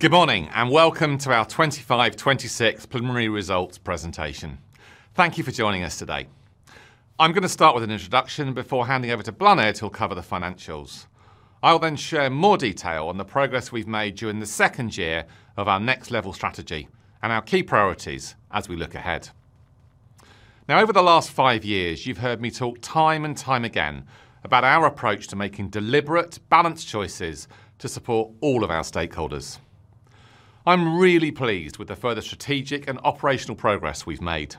Good morning, and welcome to our FY 2025-2026 preliminary results presentation. Thank you for joining us today. I'm going to start with an introduction before handing over to Bláthnaid, who'll cover the financials. I will then share more detail on the progress we've made during the second year of our Next Level strategy and our key priorities as we look ahead. Over the last five years, you've heard me talk time and time again about our approach to making deliberate, balanced choices to support all of our stakeholders. I'm really pleased with the further strategic and operational progress we've made.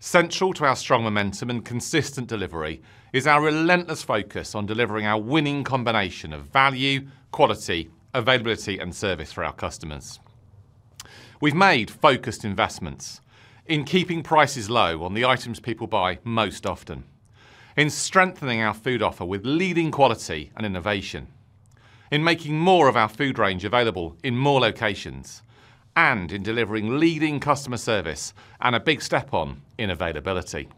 Central to our strong momentum and consistent delivery is our relentless focus on delivering our winning combination of value, quality, availability, and service for our customers. We've made focused investments in keeping prices low on the items people buy most often, in strengthening our food offer with leading quality and innovation, in making more of our food range available in more locations, and in delivering leading customer service and a big step forward in availability.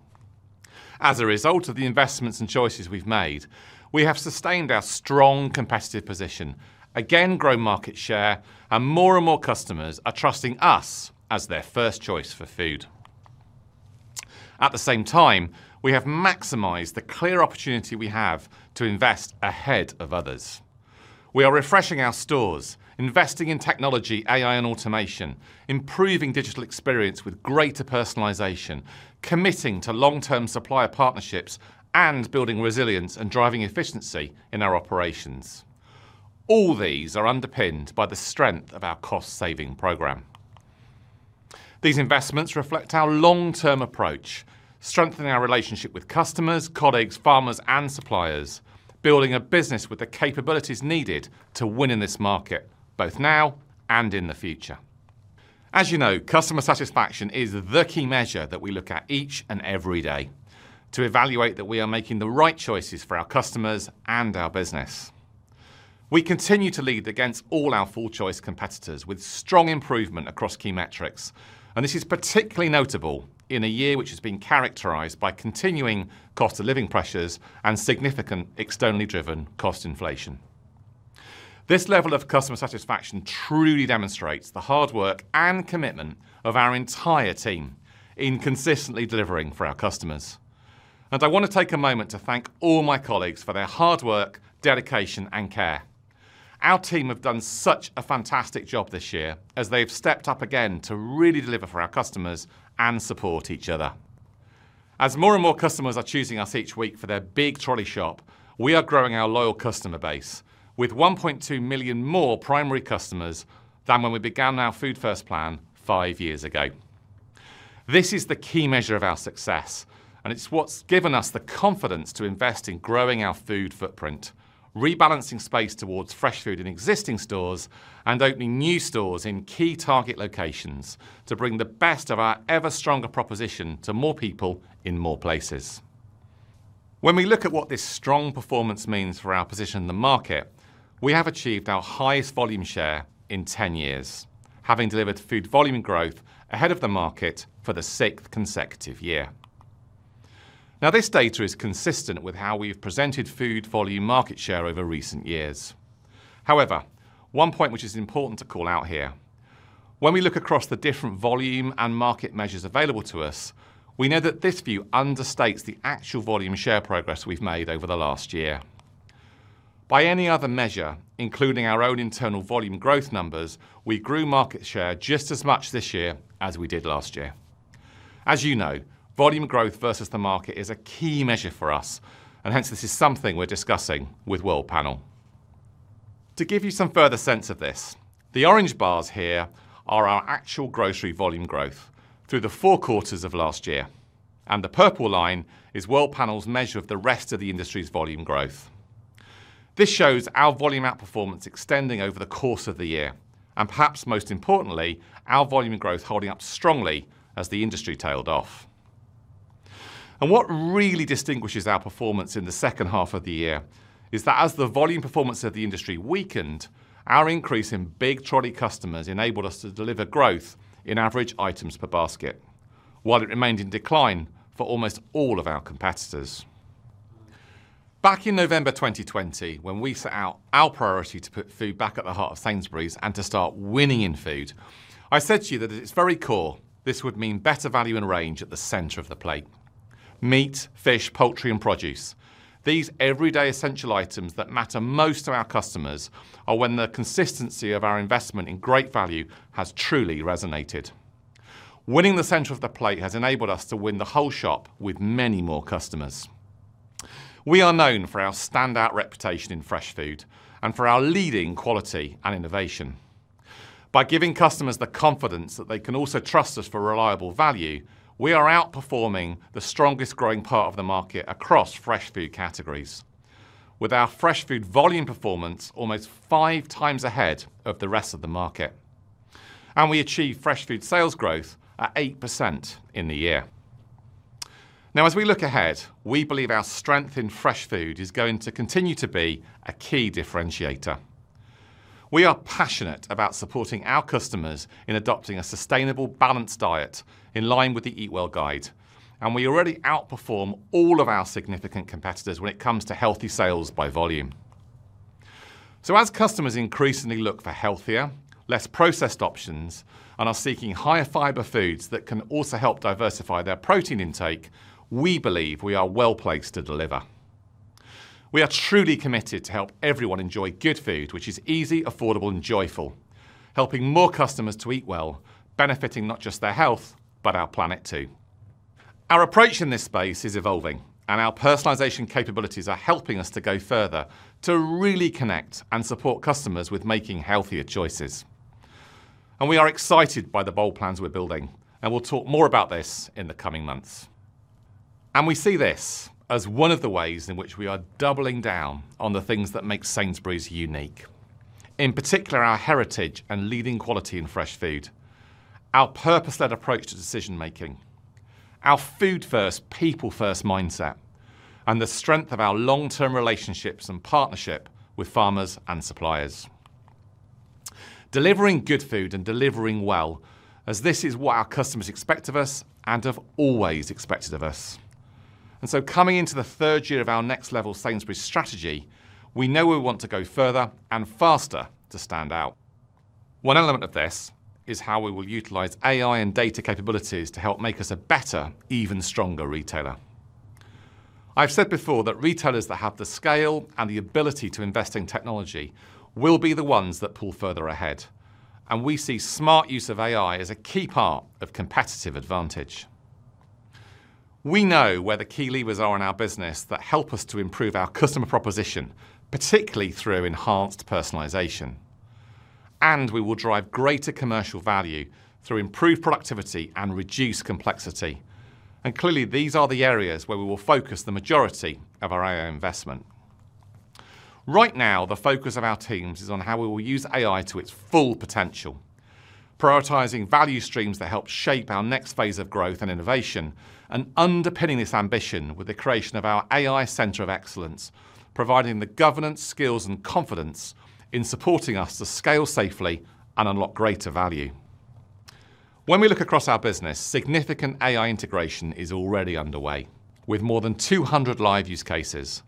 As a result of the investments and choices we've made, we have sustained our strong competitive position, and again grown market share, and more and more customers are trusting us as their first choice for food. At the same time, we have maximized the clear opportunity we have to invest ahead of others. We are refreshing our stores, investing in technology, AI, and automation, improving digital experience with greater personalization, committing to long-term supplier partnerships, and building resilience and driving efficiency in our operations. All these are underpinned by the strength of our cost-saving program. These investments reflect our long-term approach, strengthening our relationship with customers, colleagues, farmers, and suppliers, building a business with the capabilities needed to win in this market, both now and in the future. As you know, customer satisfaction is the key measure that we look at each and every day to evaluate that we are making the right choices for our customers and our business. We continue to lead against all our full-choice competitors with strong improvement across key metrics, and this is particularly notable in a year which has been characterized by continuing cost of living pressures and significant externally driven cost inflation. This level of customer satisfaction truly demonstrates the hard work and commitment of our entire team in consistently delivering for our customers. I want to take a moment to thank all my colleagues for their hard work, dedication, and care. Our team have done such a fantastic job this year as they've stepped up again to really deliver for our customers and support each other. As more and more customers are choosing us each week for their big trolley shop, we are growing our loyal customer base with 1.2 million more primary customers than when we began our Food First plan five years ago. This is the key measure of our success, and it's what's given us the confidence to invest in growing our food footprint, rebalancing space towards fresh food in existing stores, and opening new stores in key target locations to bring the best of our ever-stronger proposition to more people in more places. When we look at what this strong performance means for our position in the market, we have achieved our highest volume share in 10 years, having delivered food volume growth ahead of the market for the sixth consecutive year. Now, this data is consistent with how we've presented food volume market share over recent years. However, one point which is important to call out here, when we look across the different volume and market measures available to us, we know that this view understates the actual volume share progress we've made over the last year. By any other measure, including our own internal volume growth numbers, we grew market share just as much this year as we did last year. As you know, volume growth versus the market is a key measure for us, and hence this is something we're discussing with Worldpanel. To give you some further sense of this, the orange bars here are our actual grocery volume growth through the four quarters of last year, and the purple line is Worldpanel's measure of the rest of the industry's volume growth. This shows our volume outperformance extending over the course of the year, and perhaps most importantly, our volume and growth holding up strongly as the industry tailed off. What really distinguishes our performance in the second half of the year is that as the volume performance of the industry weakened, our increase in big trolley customers enabled us to deliver growth in average items per basket, while it remained in decline for almost all of our competitors. Back in November 2020, when we set out our priority to put food back at the heart of Sainsbury's and to start winning in food, I said to you that at its very core, this would mean better value and range at the center of the plate. Meat, fish, poultry, and produce. These everyday essential items that matter most to our customers are where the consistency of our investment in great value has truly resonated. Winning the center of the plate has enabled us to win the whole shop with many more customers. We are known for our standout reputation in fresh food and for our leading quality and innovation. By giving customers the confidence that they can also trust us for reliable value, we are outperforming the strongest growing part of the market across fresh food categories, with our fresh food volume performance almost five times ahead of the rest of the market. We achieved fresh food sales growth at 8% in the year. Now as we look ahead, we believe our strength in fresh food is going to continue to be a key differentiator. We are passionate about supporting our customers in adopting a sustainable, balanced diet in line with the Eatwell Guide, and we already outperform all of our significant competitors when it comes to healthy sales by volume. As customers increasingly look for healthier, less processed options and are seeking higher fiber foods that can also help diversify their protein intake, we believe we are well-placed to deliver. We are truly committed to help everyone enjoy good food, which is easy, affordable and joyful, helping more customers to eat well, benefiting not just their health, but our planet too. Our approach in this space is evolving and our personalization capabilities are helping us to go further to really connect and support customers with making healthier choices. We are excited by the bold plans we're building and we'll talk more about this in the coming months. We see this as one of the ways in which we are doubling down on the things that make Sainsbury's unique. In particular, our heritage and leading quality and fresh food, our purpose-led approach to decision-making, our Food First, people first mindset, and the strength of our long-term relationships and partnership with farmers and suppliers. Delivering good food and delivering well as this is what our customers expect of us and have always expected of us. Coming into the third year of our Next Level Sainsbury's strategy, we know we want to go further and faster to stand out. One element of this is how we will utilize AI and data capabilities to help make us a better, even stronger retailer. I've said before that retailers that have the scale and the ability to invest in technology will be the ones that pull further ahead, and we see smart use of AI as a key part of competitive advantage. We know where the key levers are in our business that help us to improve our customer proposition, particularly through enhanced personalization. We will drive greater commercial value through improved productivity and reduce complexity. Clearly, these are the areas where we will focus the majority of our AI investment. Right now, the focus of our teams is on how we will use AI to its full potential, prioritizing value streams that help shape our next phase of growth and innovation, and underpinning this ambition with the creation of our AI Centre of Excellence, providing the governance, skills and confidence in supporting us to scale safely and unlock greater value. When we look across our business, significant AI integration is already underway, with more than 200 live use cases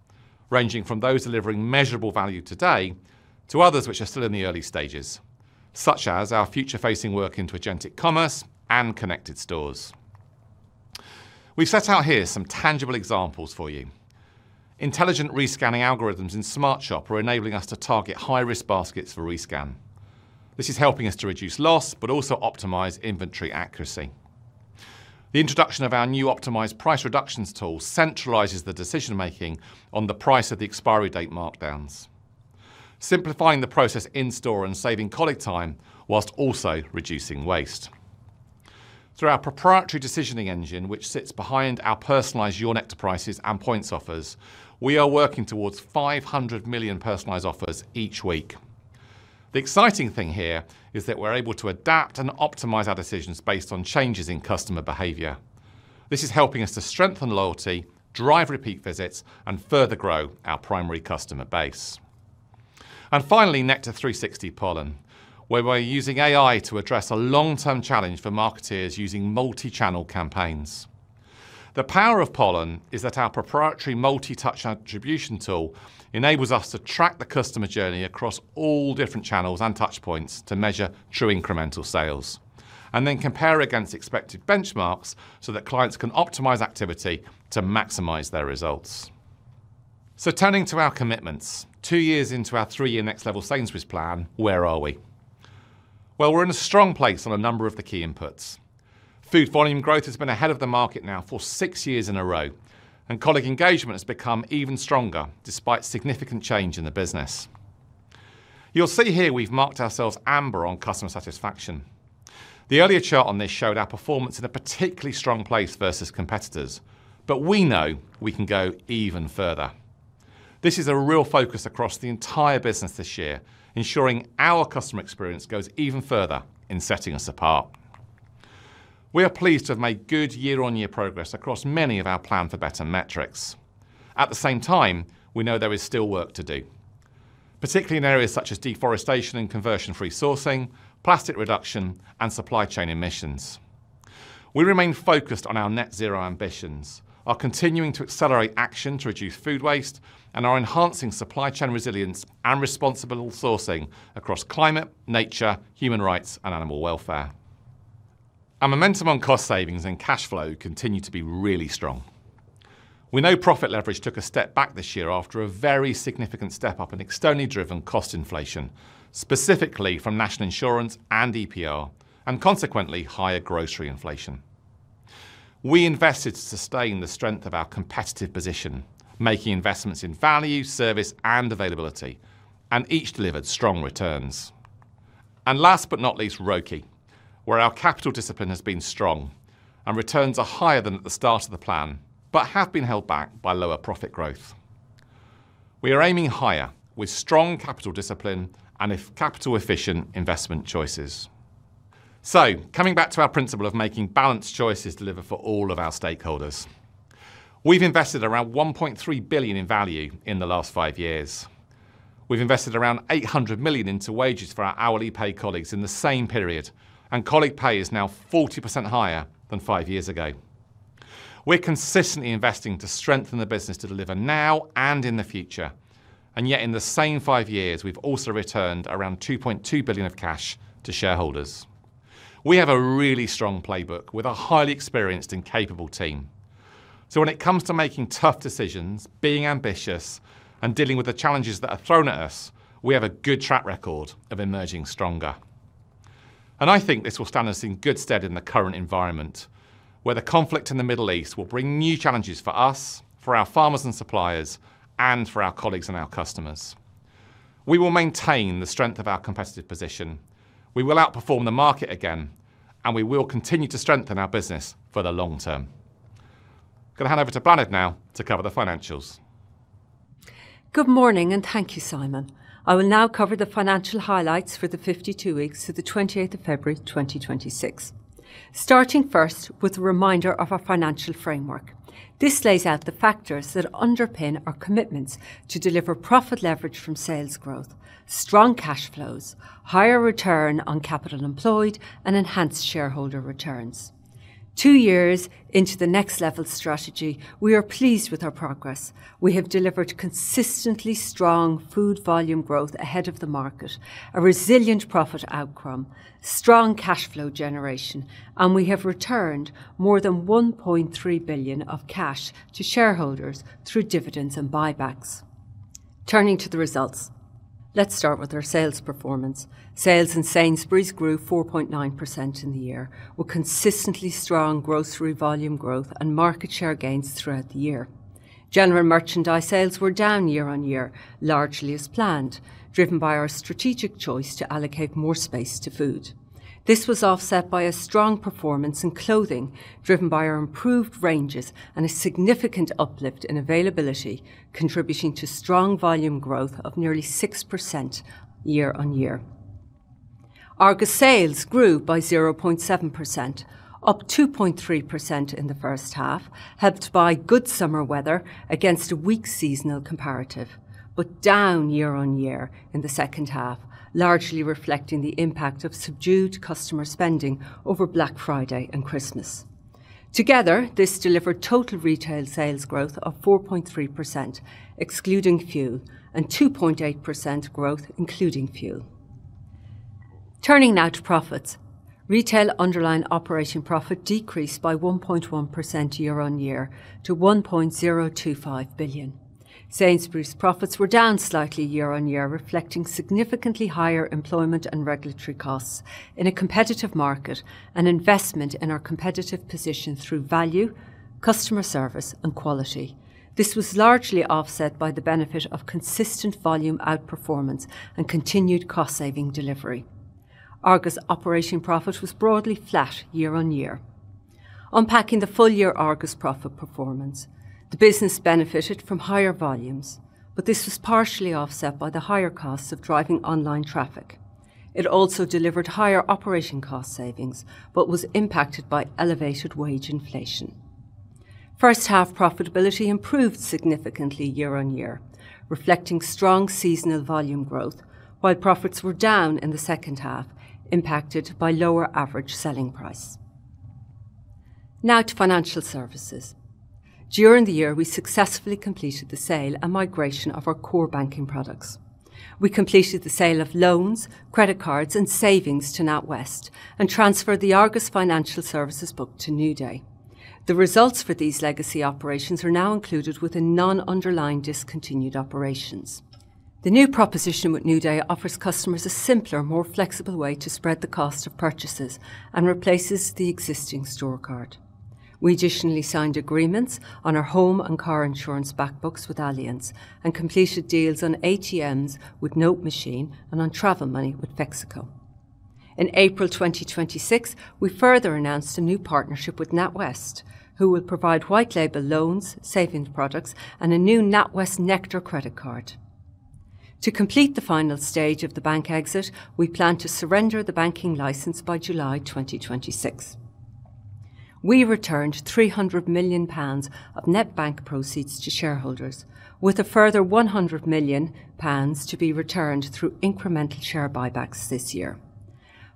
ranging from those delivering measurable value today to others which are still in the early stages, such as our future-facing work into agentic commerce and connected stores. We've set out here some tangible examples for you. Intelligent re-scanning algorithms in SmartShop are enabling us to target high-risk baskets for rescan. This is helping us to reduce loss but also optimize inventory accuracy. The introduction of our new optimized price reductions tool centralizes the decision-making on the price of the expiry date markdowns, simplifying the process in-store and saving colleague time while also reducing waste. Through our proprietary decisioning engine, which sits behind our personalized Your Nectar Prices and Points offers, we are working towards 500 million personalized offers each week. The exciting thing here is that we're able to adapt and optimize our decisions based on changes in customer behavior. This is helping us to strengthen loyalty, drive repeat visits, and further grow our primary customer base. Finally, Nectar360 Pollen, where we're using AI to address a long-term challenge for marketeers using multi-channel campaigns. The power of Pollen is that our proprietary multi-touch attribution tool enables us to track the customer journey across all different channels and touch points to measure true incremental sales and then compare against expected benchmarks so that clients can optimize activity to maximize their results. Turning to our commitments, two years into our three-year Next Level Sainsbury's plan, where are we? Well, we're in a strong place on a number of the key inputs. Food volume growth has been ahead of the market now for six years in a row, and colleague engagement has become even stronger despite significant change in the business. You'll see here we've marked ourselves amber on customer satisfaction. The earlier chart on this showed our performance in a particularly strong place versus competitors, but we know we can go even further. This is a real focus across the entire business this year, ensuring our customer experience goes even further in setting us apart. We are pleased to have made good year-on-year progress across many of our Plan for Better metrics. At the same time, we know there is still work to do, particularly in areas such as deforestation and conversion-free sourcing, plastic reduction and supply chain emissions. We remain focused on our net zero ambitions, are continuing to accelerate action to reduce food waste, and are enhancing supply chain resilience and responsible sourcing across climate, nature, human rights and animal welfare. Our momentum on cost savings and cash flow continue to be really strong. We know profit leverage took a step back this year after a very significant step-up in externally driven cost inflation, specifically from National Insurance and EPR, and consequently higher grocery inflation. We invested to sustain the strength of our competitive position, making investments in value, service and availability, and each delivered strong returns. Lastb ut not least, ROCE, where our capital discipline has been strong and returns are higher than at the start of the plan but have been held back by lower profit growth. We are aiming higher with strong capital discipline and with capital efficient investment choices. Coming back to our principle of making balanced choices deliver for all of our stakeholders. We've invested around 1.3 billion in value in the last five years. We've invested around 800 million into wages for our hourly paid colleagues in the same period and colleague pay is now 40% higher than five years ago. We're consistently investing to strengthen the business to deliver now and in the future. Yet in the same five years, we've also returned around 2.2 billion of cash to shareholders. We have a really strong playbook with a highly experienced and capable team. When it comes to making tough decisions, being ambitious, and dealing with the challenges that are thrown at us, we have a good track record of emerging stronger. I think this will stand us in good stead in the current environment, where the conflict in the Middle East will bring new challenges for us, for our farmers and suppliers, and for our colleagues and our customers. We will maintain the strength of our competitive position. We will outperform the market again, and we will continue to strengthen our business for the long term. Going to hand over to Bláthnaid now to cover the financials. Good morning and thank you, Simon. I will now cover the financial highlights for the 52 weeks to the February 28th, 2026. Starting first with a reminder of our financial framework. This lays out the factors that underpin our commitments to deliver profit leverage from sales growth, strong cash flows, higher return on capital employed, and enhanced shareholder returns. Two years into the Next Level strategy, we are pleased with our progress. We have delivered consistently strong food volume growth ahead of the market, a resilient profit outcome, strong cash flow generation, and we have returned more than 1.3 billion of cash to shareholders through dividends and buybacks. Turning to the results. Let's start with our sales performance. Sales in Sainsbury's grew 4.9% in the year, with consistently strong grocery volume growth and market share gains throughout the year. General merchandise sales were down year-on-year, largely as planned, driven by our strategic choice to allocate more space to food. This was offset by a strong performance in clothing, driven by our improved ranges and a significant uplift in availability, contributing to strong volume growth of nearly 6% year-on-year. Argos sales grew by 0.7%, up 2.3% in the first half, helped by good summer weather against a weak seasonal comparative, but down year-on-year in the second half, largely reflecting the impact of subdued customer spending over Black Friday and Christmas. Together, this delivered total retail sales growth of 4.3%, excluding fuel, and 2.8% growth including fuel. Turning now to profits. Retail underlying operating profit decreased by 1.1% year-on-year to 1.025 billion. Sainsbury's profits were down slightly year-on-year, reflecting significantly higher employment and regulatory costs in a competitive market and investment in our competitive position through value, customer service, and quality. This was largely offset by the benefit of consistent volume outperformance and continued cost-saving delivery. Argos operating profit was broadly flat year-on-year. Unpacking the full year Argos profit performance, the business benefited from higher volumes, but this was partially offset by the higher costs of driving online traffic. It also delivered higher operating cost savings but was impacted by elevated wage inflation. First half profitability improved significantly year-on-year, reflecting strong seasonal volume growth, while profits were down in the second half, impacted by lower average selling price. Now to financial services. During the year, we successfully completed the sale and migration of our core banking products. We completed the sale of loans, credit cards, and savings to NatWest and transferred the Argos Financial Services book to NewDay. The results for these legacy operations are now included within non-underlying discontinued operations. The new proposition with NewDay offers customers a simpler, more flexible way to spread the cost of purchases and replaces the existing store card. We additionally signed agreements on our home and car insurance back books with Allianz and completed deals on ATMs with NoteMachine and on travel money with Fexco. In April 2026, we further announced a new partnership with NatWest, who will provide white label loans, savings products, and a new NatWest Nectar credit card. To complete the final stage of the bank exit, we plan to surrender the banking license by July 2026. We returned 300 million pounds of net bank proceeds to shareholders, with a further 100 million pounds to be returned through incremental share buybacks this year.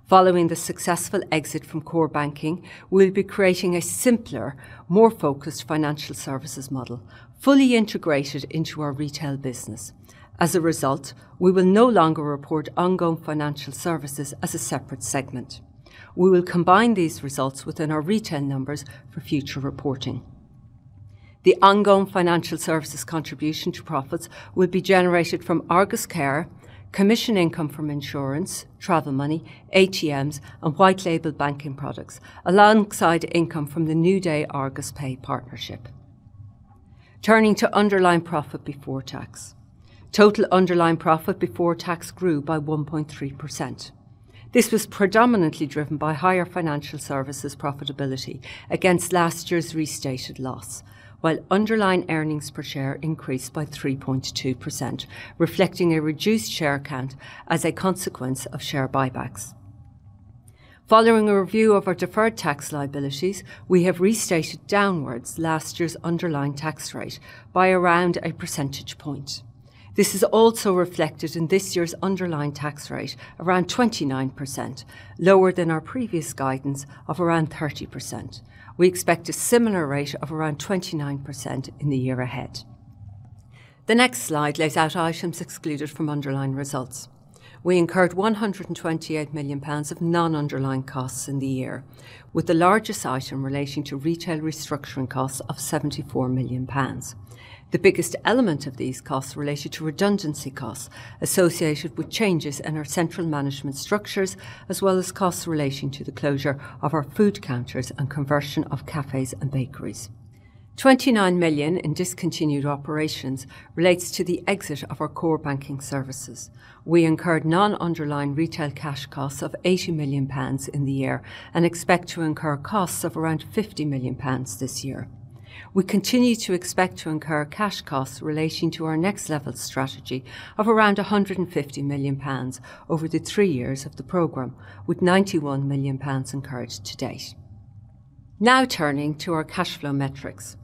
Following the successful exit from core banking, we'll be creating a simpler, more focused financial services model, fully integrated into our retail business. As a result, we will no longer report ongoing Financial Services as a separate segment. We will combine these results within our retail numbers for future reporting. The ongoing Financial Services contribution to profits will be generated from Argos Care, commission income from insurance, travel money, ATMs, and white label banking products, alongside income from the NewDay Argos Pay partnership. Turning to underlying profit before tax. Total underlying profit before tax grew by 1.3%. This was predominantly driven by higher financial services profitability against last year's restated loss, while underlying earnings per share increased by 3.2%, reflecting a reduced share count as a consequence of share buybacks. Following a review of our deferred tax liabilities, we have restated downwards last year's underlying tax rate by around a percentage point. This is also reflected in this year's underlying tax rate, around 29%, lower than our previous guidance of around 30%. We expect a similar rate of around 29% in the year ahead. The next slide lays out items excluded from underlying results. We incurred 128 million pounds of non-underlying costs in the year, with the largest item relating to retail restructuring costs of 74 million pounds. The biggest element of these costs related to redundancy costs associated with changes in our central management structures, as well as costs relating to the closure of our food counters and conversion of cafes and bakeries. 29 million in discontinued operations relates to the exit of our core banking services. We incurred non-underlying retail cash costs of 80 million pounds in the year and expect to incur costs of around 50 million pounds this year. We continue to expect to incur cash costs relating to our Next Level strategy of around 150 million pounds over the three years of the program, with 91 million pounds incurred to date. Now turning to our cash flow metrics.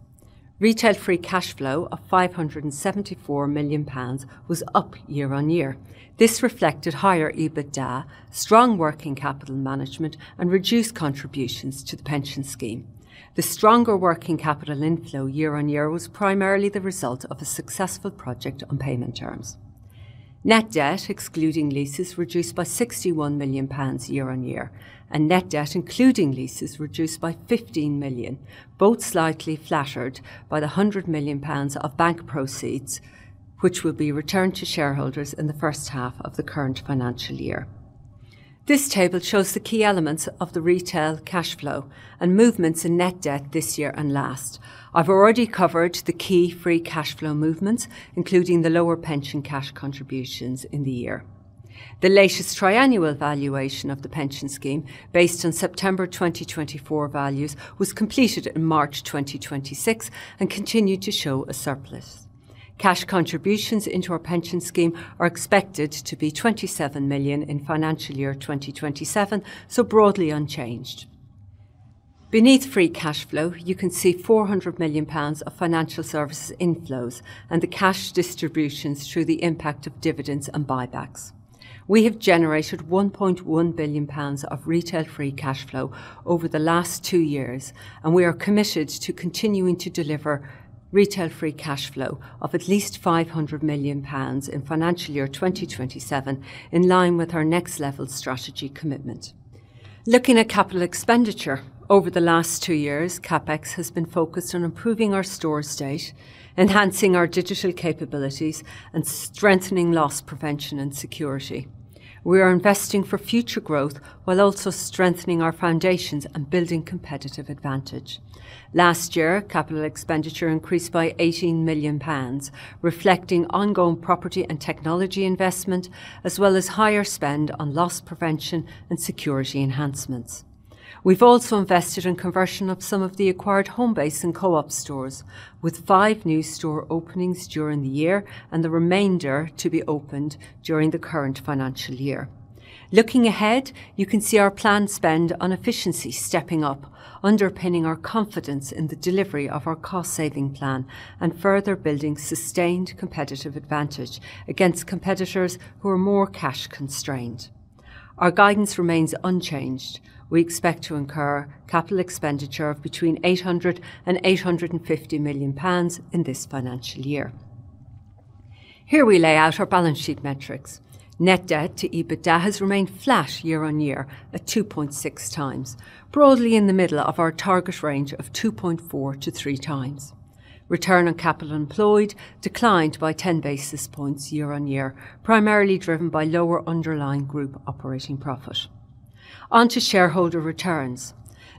Retail free cash flow of 574 million pounds was up year-on-year. This reflected higher EBITDA, strong working capital management, and reduced contributions to the pension scheme. The stronger working capital inflow year-on-year was primarily the result of a successful project on payment terms. Net debt, excluding leases, reduced by 61 million pounds year-on-year, and net debt including leases reduced by 15 million, both slightly flattered by the 100 million pounds of bank proceeds, which will be returned to shareholders in the first half of the current financial year. This table shows the key elements of the retail cash flow and movements in net debt this year and last. I've already covered the key free cash flow movements, including the lower pension cash contributions in the year. The latest triannual valuation of the pension scheme, based on September 2024 values, was completed in March 2026 and continued to show a surplus. Cash contributions into our pension scheme are expected to be 27 million in financial year 2027, so broadly unchanged. Beneath free cash flow, you can see 400 million pounds of financial services inflows and the cash distributions through the impact of dividends and buybacks. We have generated 1.1 billion pounds of retail free cash flow over the last two years, and we are committed to continuing to deliver retail free cash flow of at least 500 million pounds in financial year 2027, in line with our Next Level strategy commitment. Looking at capital expenditure. Over the last two years, CapEx has been focused on improving our store estate, enhancing our digital capabilities, and strengthening loss prevention and security. We are investing for future growth while also strengthening our foundations and building competitive advantage. Last year, capital expenditure increased by 18 million pounds, reflecting ongoing property and technology investment, as well as higher spend on loss prevention and security enhancements. We've also invested in conversion of some of the acquired Homebase and Co-op stores, with five new store openings during the year and the remainder to be opened during the current financial year. Looking ahead, you can see our planned spend on efficiency stepping up, underpinning our confidence in the delivery of our cost-saving plan and further building sustained competitive advantage against competitors who are more cash constrained. Our guidance remains unchanged. We expect to incur capital expenditure of between 800 million pounds and 850 million pounds in this financial year. Here we lay out our balance sheet metrics. Net debt to EBITDA has remained flat year-over-year at 2.6x, broadly in the middle of our target range of 2.4x-3x. Return on capital employed declined by 10 basis points year-over-year, primarily driven by lower underlying group operating profit. Onto shareholder returns.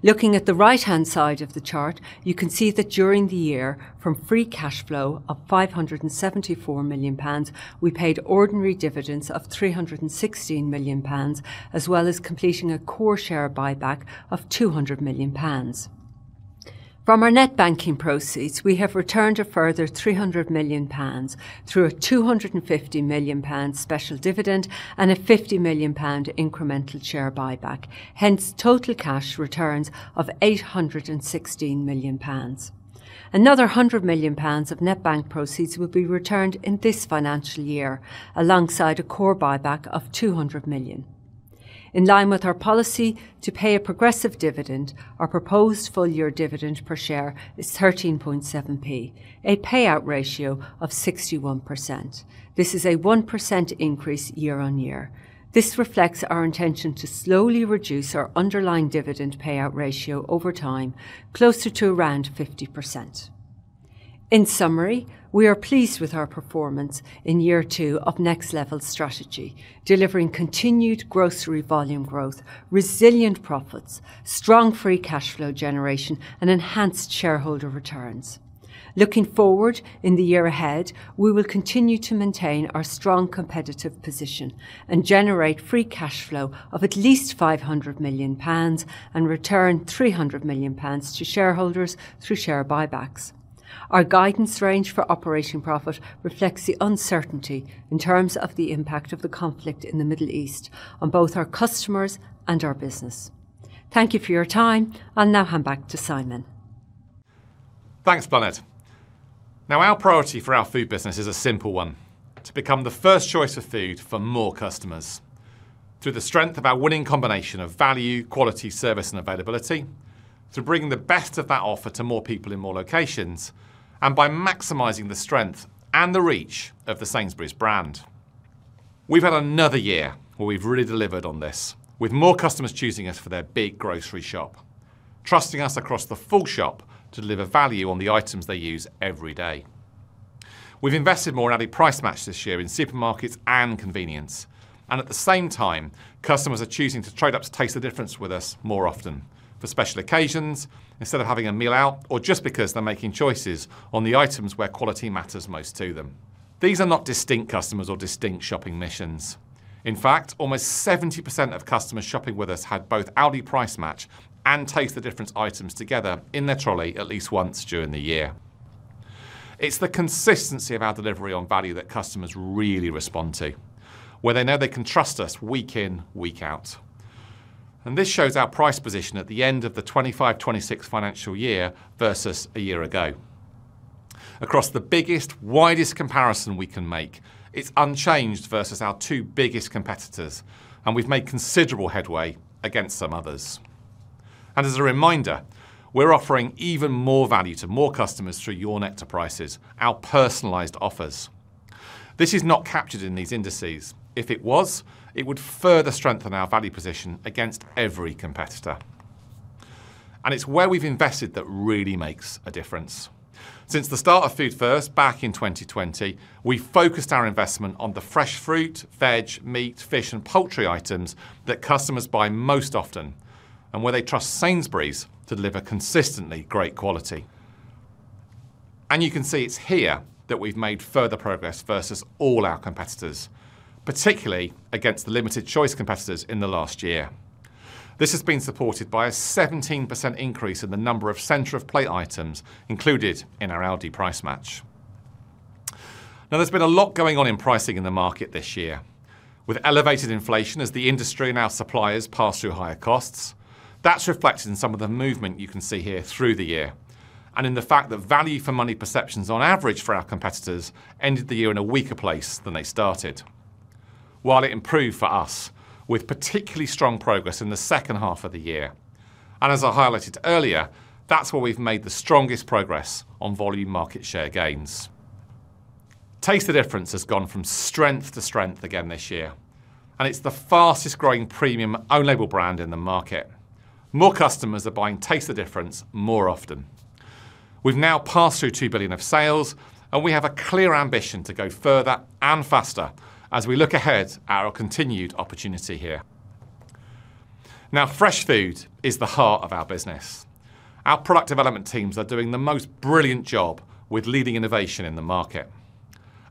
Looking at the right-hand side of the chart, you can see that during the year, from free cash flow of 574 million pounds, we paid ordinary dividends of 316 million pounds, as well as completing a core share buyback of 200 million pounds. From our net banking proceeds, we have returned a further 300 million pounds through a 250 million pounds special dividend and a 50 million pound incremental share buyback. Hence, total cash returns of 816 million pounds. Another 100 million pounds of net bank proceeds will be returned in this financial year alongside a core buyback of 200 million. In line with our policy to pay a progressive dividend, our proposed full-year dividend per share is 13.7, a payout ratio of 61%. This is a 1% increase year-over-year. This reflects our intention to slowly reduce our underlying dividend payout ratio over time, closer to around 50%. In summary, we are pleased with our performance in year two of Next Level strategy, delivering continued grocery volume growth, resilient profits, strong free cash flow generation, and enhanced shareholder returns. Looking forward in the year ahead, we will continue to maintain our strong competitive position and generate free cash flow of at least 500 million pounds and return 300 million pounds to shareholders through share buybacks. Our guidance range for operating profit reflects the uncertainty in terms of the impact of the conflict in the Middle East on both our customers and our business. Thank you for your time. I'll now hand back to Simon. Thanks, Bláthnaid. Now, our priority for our food business is a simple one. To become the first choice of food for more customers. Through the strength of our winning combination of value, quality, service, and availability, to bring the best of that offer to more people in more locations, and by maximizing the strength and the reach of the Sainsbury's brand. We've had another year where we've really delivered on this, with more customers choosing us for their big grocery shop, trusting us across the full shop to deliver value on the items they use every day. We've invested more in Aldi Price Match this year in supermarkets and convenience. At the same time, customers are choosing to trade up to Taste the Difference with us more often, for special occasions, instead of having a meal out, or just because they're making choices on the items where quality matters most to them. These are not distinct customers or distinct shopping missions. In fact, almost 70% of customers shopping with us had both Aldi Price Match and Taste the Difference items together in their trolley at least once during the year. It's the consistency of our delivery on value that customers really respond to, where they know they can trust us week in, week out. This shows our price position at the end of the 2025-2026 financial year versus a year ago. Across the biggest, widest comparison we can make, it's unchanged versus our two biggest competitors, and we've made considerable headway against some others. As a reminder, we're offering even more value to more customers through Your Nectar Prices, our personalized offers. This is not captured in these indices. If it was, it would further strengthen our value position against every competitor. It's where we've invested that really makes a difference. Since the start of Food First, back in 2020, we focused our investment on the fresh fruit, veg, meat, fish, and poultry items that customers buy most often and where they trust Sainsbury's to deliver consistently great quality. You can see it's here that we've made further progress versus all our competitors, particularly against the limited choice competitors in the last year. This has been supported by a 17% increase in the number of center of the plate items included in our Aldi Price Match. Now, there's been a lot going on in pricing in the market this year. With elevated inflation as the industry and our suppliers pass through higher costs, that's reflected in some of the movement you can see here through the year, and in the fact that value for money perceptions on average for our competitors ended the year in a weaker place than they started. While it improved for us, with particularly strong progress in the second half of the year. As I highlighted earlier, that's where we've made the strongest progress on volume market share gains. Taste the Difference has gone from strength to strength again this year, and it's the fastest-growing premium own-label brand in the market. More customers are buying Taste the Difference more often. We've now passed through 2 billion of sales, and we have a clear ambition to go further and faster as we look ahead at our continued opportunity here. Now, fresh food is the heart of our business. Our product development teams are doing the most brilliant job with leading innovation in the market.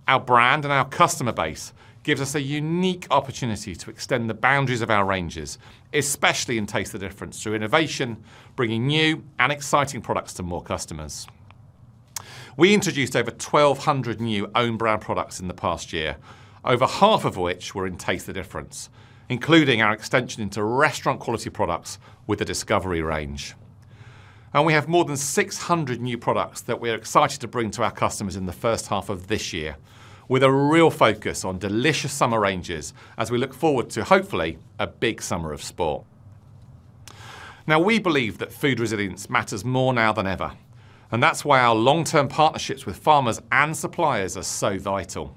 Our brand and our customer base gives us a unique opportunity to extend the boundaries of our ranges, especially in Taste the Difference, through innovation, bringing new and exciting products to more customers. We introduced over 1,200 new own brand products in the past year, over half of which were in Taste the Difference, including our extension into restaurant-quality products with the Discovery range. We have more than 600 new products that we're excited to bring to our customers in the first half of this year, with a real focus on delicious summer ranges as we look forward to hopefully a big summer of sport. Now, we believe that food resilience matters more now than ever, and that's why our long-term partnerships with farmers and suppliers are so vital.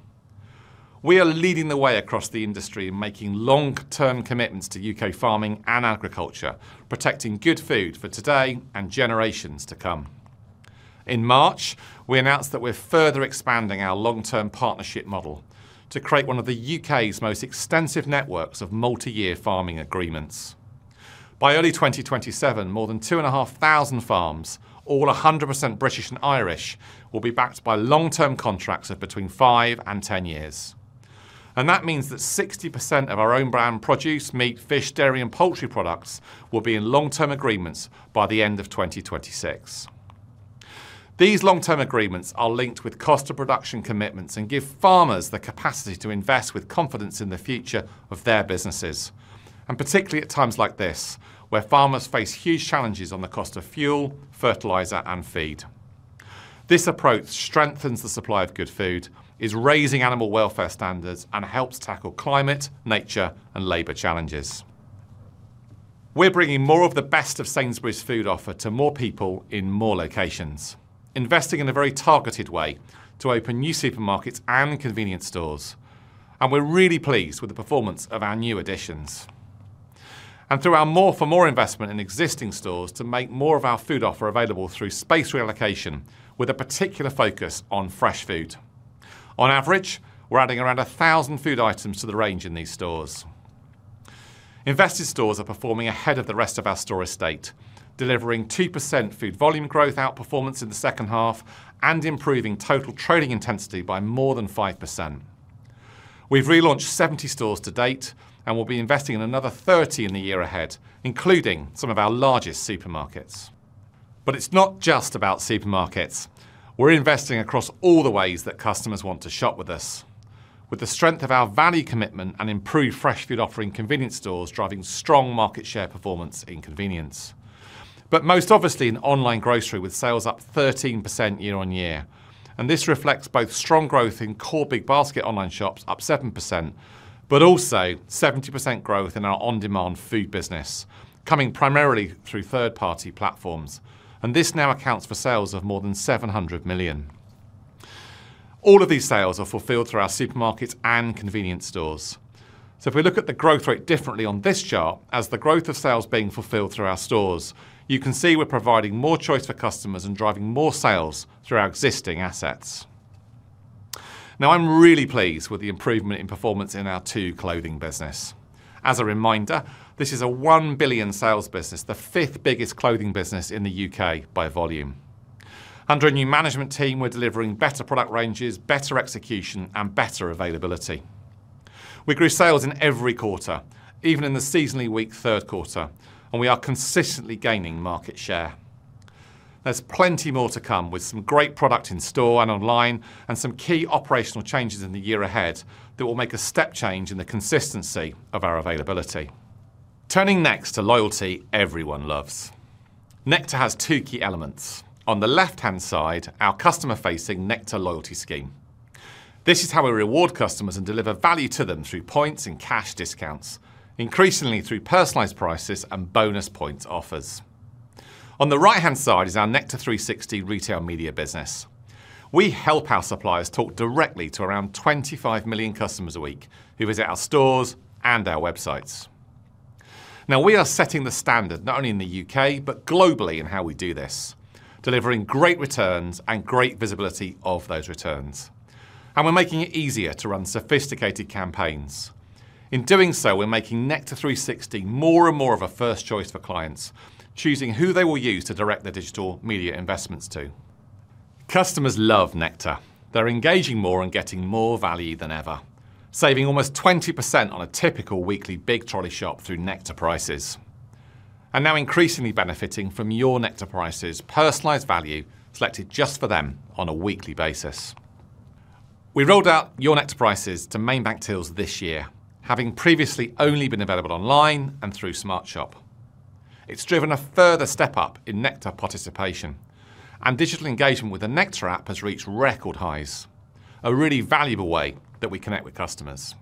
We are leading the way across the industry in making long-term commitments to U.K. farming and agriculture, protecting good food for today and generations to come. In March, we announced that we're further expanding our long-term partnership model to create one of the U.K.'s most extensive networks of multi-year farming agreements. By early 2027, more than 2,500 farms, all 100% British and Irish, will be backed by long-term contracts of between five and 10 years. That means that 60% of our own brand produce, meat, fish, dairy, and poultry products will be in long-term agreements by the end of 2026. These long-term agreements are linked with cost of production commitments and give farmers the capacity to invest with confidence in the future of their businesses, and particularly at times like this, where farmers face huge challenges on the cost of fuel, fertilizer, and feed. This approach strengthens the supply of good food, is raising animal welfare standards, and helps tackle climate, nature, and labor challenges. We're bringing more of the best of Sainsbury's food offer to more people in more locations, investing in a very targeted way to open new supermarkets and convenience stores, and we're really pleased with the performance of our new additions. Through our More for More investment in existing stores to make more of our food offer available through space reallocation, with a particular focus on fresh food. On average, we're adding around 1,000 food items to the range in these stores. Invested stores are performing ahead of the rest of our store estate, delivering 2% food volume growth outperformance in the second half and improving total trading intensity by more than 5%. We've relaunched 70 stores to date and will be investing in another 30 in the year ahead, including some of our largest supermarkets. It's not just about supermarkets. We're investing across all the ways that customers want to shop with us. With the strength of our value commitment and improved fresh food offering, convenience stores driving strong market share performance in convenience, but most obviously in online grocery, with sales up 13% year-over-year. This reflects both strong growth in core Big Basket online shops up 7%, but also 70% growth in our on-demand food business, coming primarily through third-party platforms. This now accounts for sales of more than 700 million. All of these sales are fulfilled through our supermarkets and convenience stores. If we look at the growth rate differently on this chart, as the growth of sales being fulfilled through our stores, you can see we're providing more choice for customers and driving more sales through our existing assets. Now, I'm really pleased with the improvement in performance in our Tu clothing business. As a reminder, this is a 1 billion sales business, the fifth biggest clothing business in the U.K. by volume. Under a new management team, we're delivering better product ranges, better execution, and better availability. We grew sales in every quarter, even in the seasonally weak third quarter, and we are consistently gaining market share. There's plenty more to come with some great product in store and online, and some key operational changes in the year ahead that will make a step change in the consistency of our availability. Turning next to loyalty everyone loves. Nectar has two key elements. On the left-hand side, our customer-facing Nectar loyalty scheme. This is how we reward customers and deliver value to them through points and cash discounts, increasingly through personalized prices and bonus points offers. On the right-hand side is our Nectar360 retail media business. We help our suppliers talk directly to around 25 million customers a week who visit our stores and our websites. Now we are setting the standard not only in the U.K. but globally in how we do this, delivering great returns and great visibility of those returns. We're making it easier to run sophisticated campaigns. In doing so, we're making Nectar360 more and more of a first choice for clients choosing who they will use to direct their digital media investments to. Customers love Nectar. They're engaging more and getting more value than ever, saving almost 20% on a typical weekly big trolley shop through Nectar Prices. Now increasingly benefiting from Your Nectar Prices, personalized value selected just for them on a weekly basis. We rolled out Your Nectar Prices to main bank tills this year, having previously only been available online and through SmartShop. It's driven a further step up in Nectar participation and digital engagement with the Nectar app has reached record highs. A really valuable way that we connect with customers.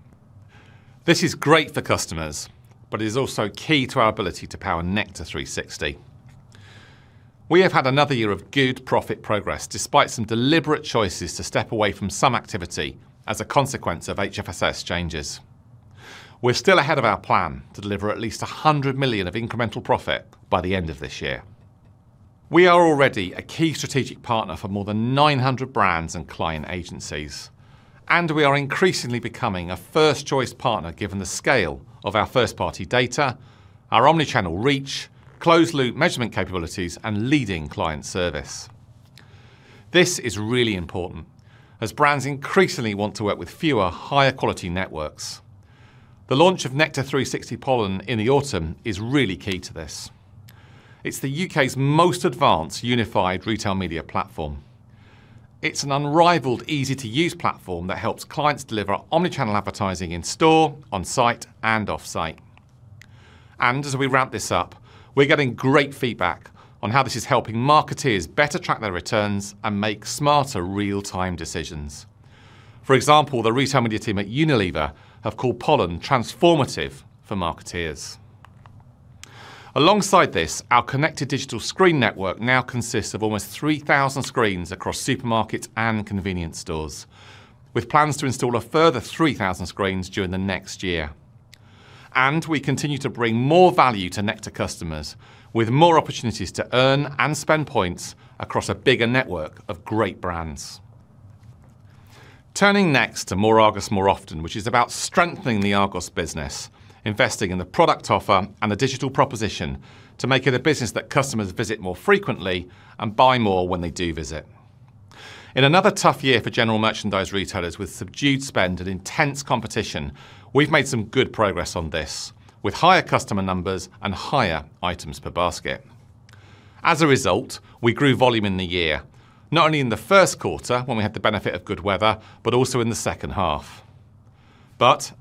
This is great for customers, but it is also key to our ability to power Nectar360. We have had another year of good profit progress despite some deliberate choices to step away from some activity as a consequence of HFSS changes. We're still ahead of our plan to deliver at least 100 million of incremental profit by the end of this year. We are already a key strategic partner for more than 900 brands and client agencies, and we are increasingly becoming a first-choice partner given the scale of our first-party data, our omni-channel reach, closed-loop measurement capabilities, and leading client service. This is really important as brands increasingly want to work with fewer, higher quality networks. The launch of Nectar360 Pollen in the autumn is really key to this. It's the U.K.'s most advanced unified retail media platform. It's an unrivaled, easy-to-use platform that helps clients deliver omni-channel advertising in store, on site, and off site. As we wrap this up, we're getting great feedback on how this is helping marketeers better track their returns and make smarter real-time decisions. For example, the retail media team at Unilever have called Pollen transformative for marketeers. Alongside this, our connected digital screen network now consists of almost 3,000 screens across supermarkets and convenience stores with plans to install a further 3,000 screens during the next year. We continue to bring more value to Nectar customers with more opportunities to earn and spend points across a bigger network of great brands. Turning next to More Argos, More Often, which is about strengthening the Argos business, investing in the product offer and the digital proposition to make it a business that customers visit more frequently and buy more when they do visit. In another tough year for general merchandise retailers with subdued spend and intense competition, we've made some good progress on this with higher customer numbers and higher items per basket. As a result, we grew volume in the year, not only in the first quarter when we had the benefit of good weather, but also in the second half.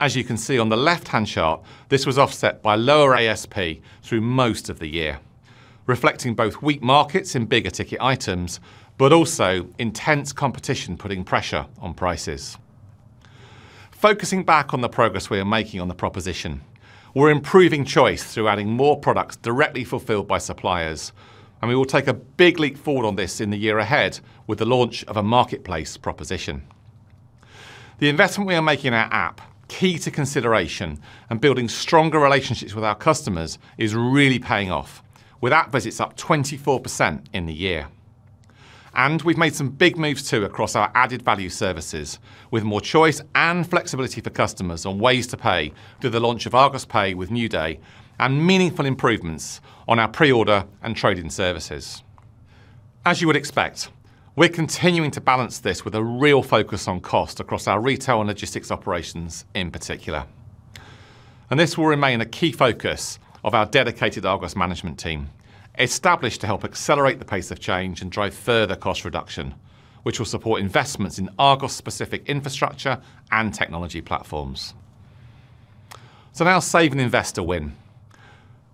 As you can see on the left-hand chart, this was offset by lower ASP through most of the year, reflecting both weak markets and bigger ticket items, but also intense competition putting pressure on prices. Focusing back on the progress we are making on the proposition, we're improving choice through adding more products directly fulfilled by suppliers, and we will take a big leap forward on this in the year ahead with the launch of a marketplace proposition. The investment we are making in our app, key to consideration and building stronger relationships with our customers, is really paying off with app visits up 24% in the year. We've made some big moves too across our added value services with more choice and flexibility for customers on ways to pay through the launch of Argos Pay with NewDay and meaningful improvements on our pre-order and trade-in services. As you would expect, we're continuing to balance this with a real focus on cost across our retail and logistics operations in particular. This will remain a key focus of our dedicated Argos management team, established to help accelerate the pace of change and drive further cost reduction, which will support investments in Argos specific infrastructure and technology platforms. Now save and invest to win.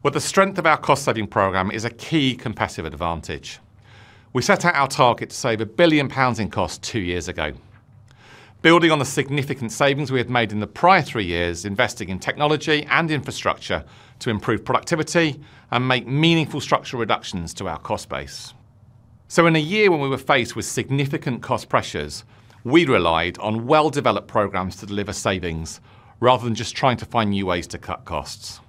With the strength of our cost saving program is a key competitive advantage. We set out our target to save 1 billion pounds in cost two years ago, building on the significant savings we had made in the prior three years, investing in technology and infrastructure to improve productivity and make meaningful structural reductions to our cost base. In a year when we were faced with significant cost pressures, we relied on well-developed programs to deliver savings rather than just trying to find new ways to cut costs.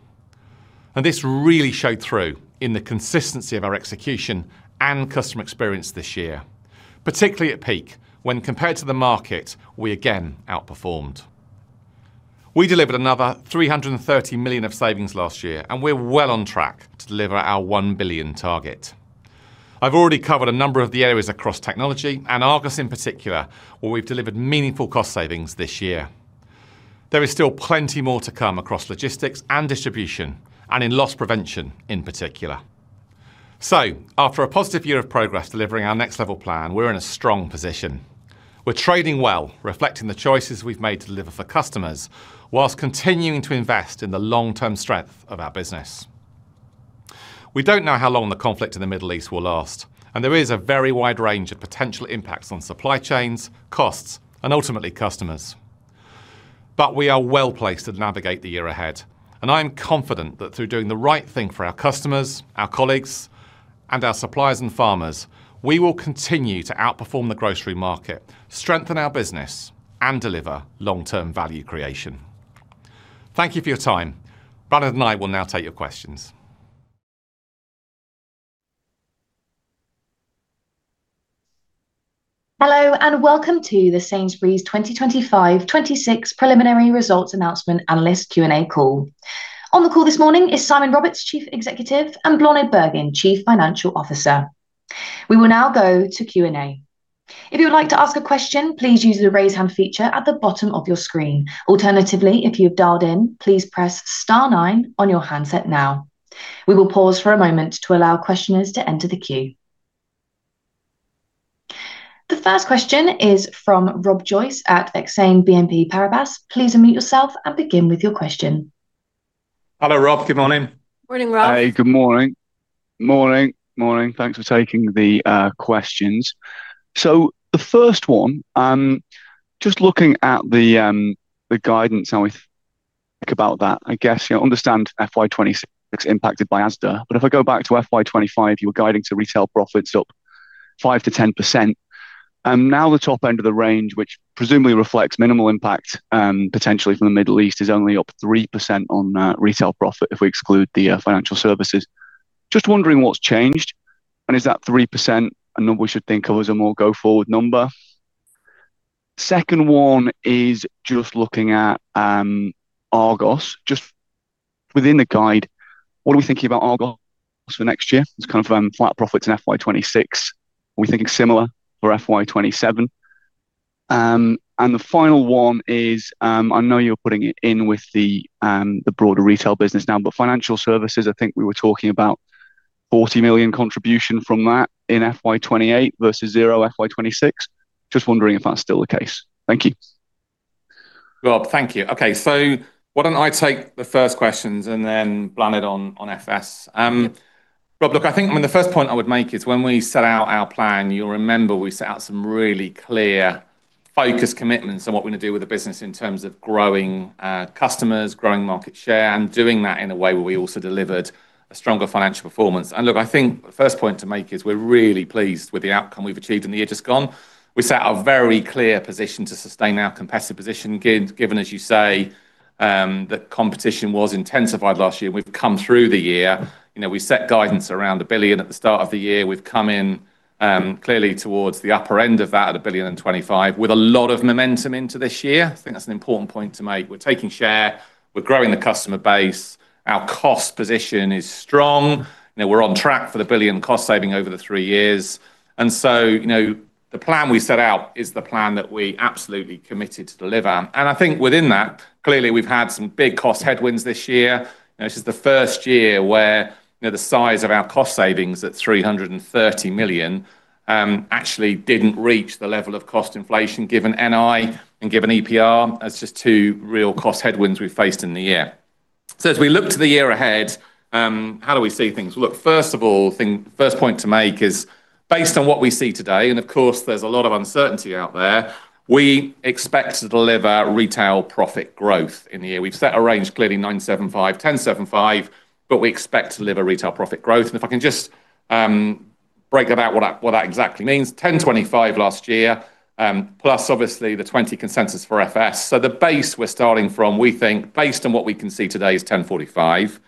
This really showed through in the consistency of our execution and customer experience this year, particularly at peak, when compared to the market, we again outperformed. We delivered another 330 million of savings last year, and we're well on track to deliver our 1 billion target. I've already covered a number of the areas across technology and Argos in particular, where we've delivered meaningful cost savings this year. There is still plenty more to come across logistics and distribution and in loss prevention in particular. After a positive year of progress delivering our Next Level plan, we're in a strong position. We're trading well, reflecting the choices we've made to deliver for customers, while continuing to invest in the long-term strength of our business. We don't know how long the conflict in the Middle East will last, and there is a very wide range of potential impacts on supply chains, costs, and ultimately customers. We are well-placed to navigate the year ahead, and I am confident that through doing the right thing for our customers, our colleagues and our suppliers and farmers, we will continue to outperform the grocery market, strengthen our business, and deliver long-term value creation. Thank you for your time. Bláthnaid and I will now take your questions. Hello and welcome to the Sainsbury's 2025-2026 preliminary results announcement analyst Q&A call. On the call this morning is Simon Roberts, Chief Executive, and Bláthnaid Bergin, Chief Financial Officer. We will now go to Q&A. If you would like to ask a question, please use the raise hand feature at the bottom of your screen. Alternatively, if you have dialed in, please press star nine on your handset now. We will pause for a moment to allow questioners to enter the queue. The first question is from Rob Joyce at Exane BNP Paribas. Please unmute yourself and begin with your question. Hello, Rob. Good morning. Morning, Rob. Hi. Good morning. Thanks for taking the questions. The first one, just looking at the guidance and we think about that, I guess I understand FY 2026 is impacted by Asda. If I go back to FY 2025, you were guiding to retail profits up 5%-10%. Now the top end of the range, which presumably reflects minimal impact, potentially from the Middle East, is only up 3% on retail profit if we exclude the financial services. Just wondering what's changed and is that 3% a number we should think of as a more go forward number? Second one is just looking at Argos. Just within the guide, what are we thinking about Argos for next year? It's kind of flat profits in FY 2026. Are we thinking similar for FY 2027? The final one is, I know you're putting it in with the broader retail business now, but financial services, I think we were talking about 40 million contribution from that in FY 2028 versus 0 in FY 2026. Just wondering if that's still the case. Thank you. Rob, thank you. Okay. Why don't I take the first questions and then Bláthnaid on FS. Rob, look, I think, the first point I would make is when we set out our plan, you'll remember we set out some really clear focus commitments on what we're going to do with the business in terms of growing our customers, growing market share, and doing that in a way where we also delivered a stronger financial performance. Look, I think the first point to make is we're really pleased with the outcome we've achieved in the year just gone. We set out a very clear position to sustain our competitive position, given, as you say, that competition was intensified last year and we've come through the year. We set guidance around 1 billion at the start of the year. We've come in clearly towards the upper end of that, at 1,025 billion with a lot of momentum into this year. I think that's an important point to make. We're taking share. We're growing the customer base. Our cost position is strong. We're on track for the 1 billion cost saving over the three years. The plan we set out is the plan that we absolutely committed to deliver. I think within that, clearly we've had some big cost headwinds this year. This is the first year where the size of our cost savings at 330 million, actually didn't reach the level of cost inflation given NI and given EPR as just two real cost headwinds we faced in the year. As we look to the year ahead, how do we see things? Look, first of all, first point to make is based on what we see today, and of course, there's a lot of uncertainty out there. We expect to deliver retail profit growth in the year. We've set a range, clearly 975-1,075, but we expect to deliver retail profit growth. If I can just break out what that exactly means. 1,025 last year, plus obviously the 20 consensus for FS. The base we're starting from, we think based on what we can see today, is 1,045.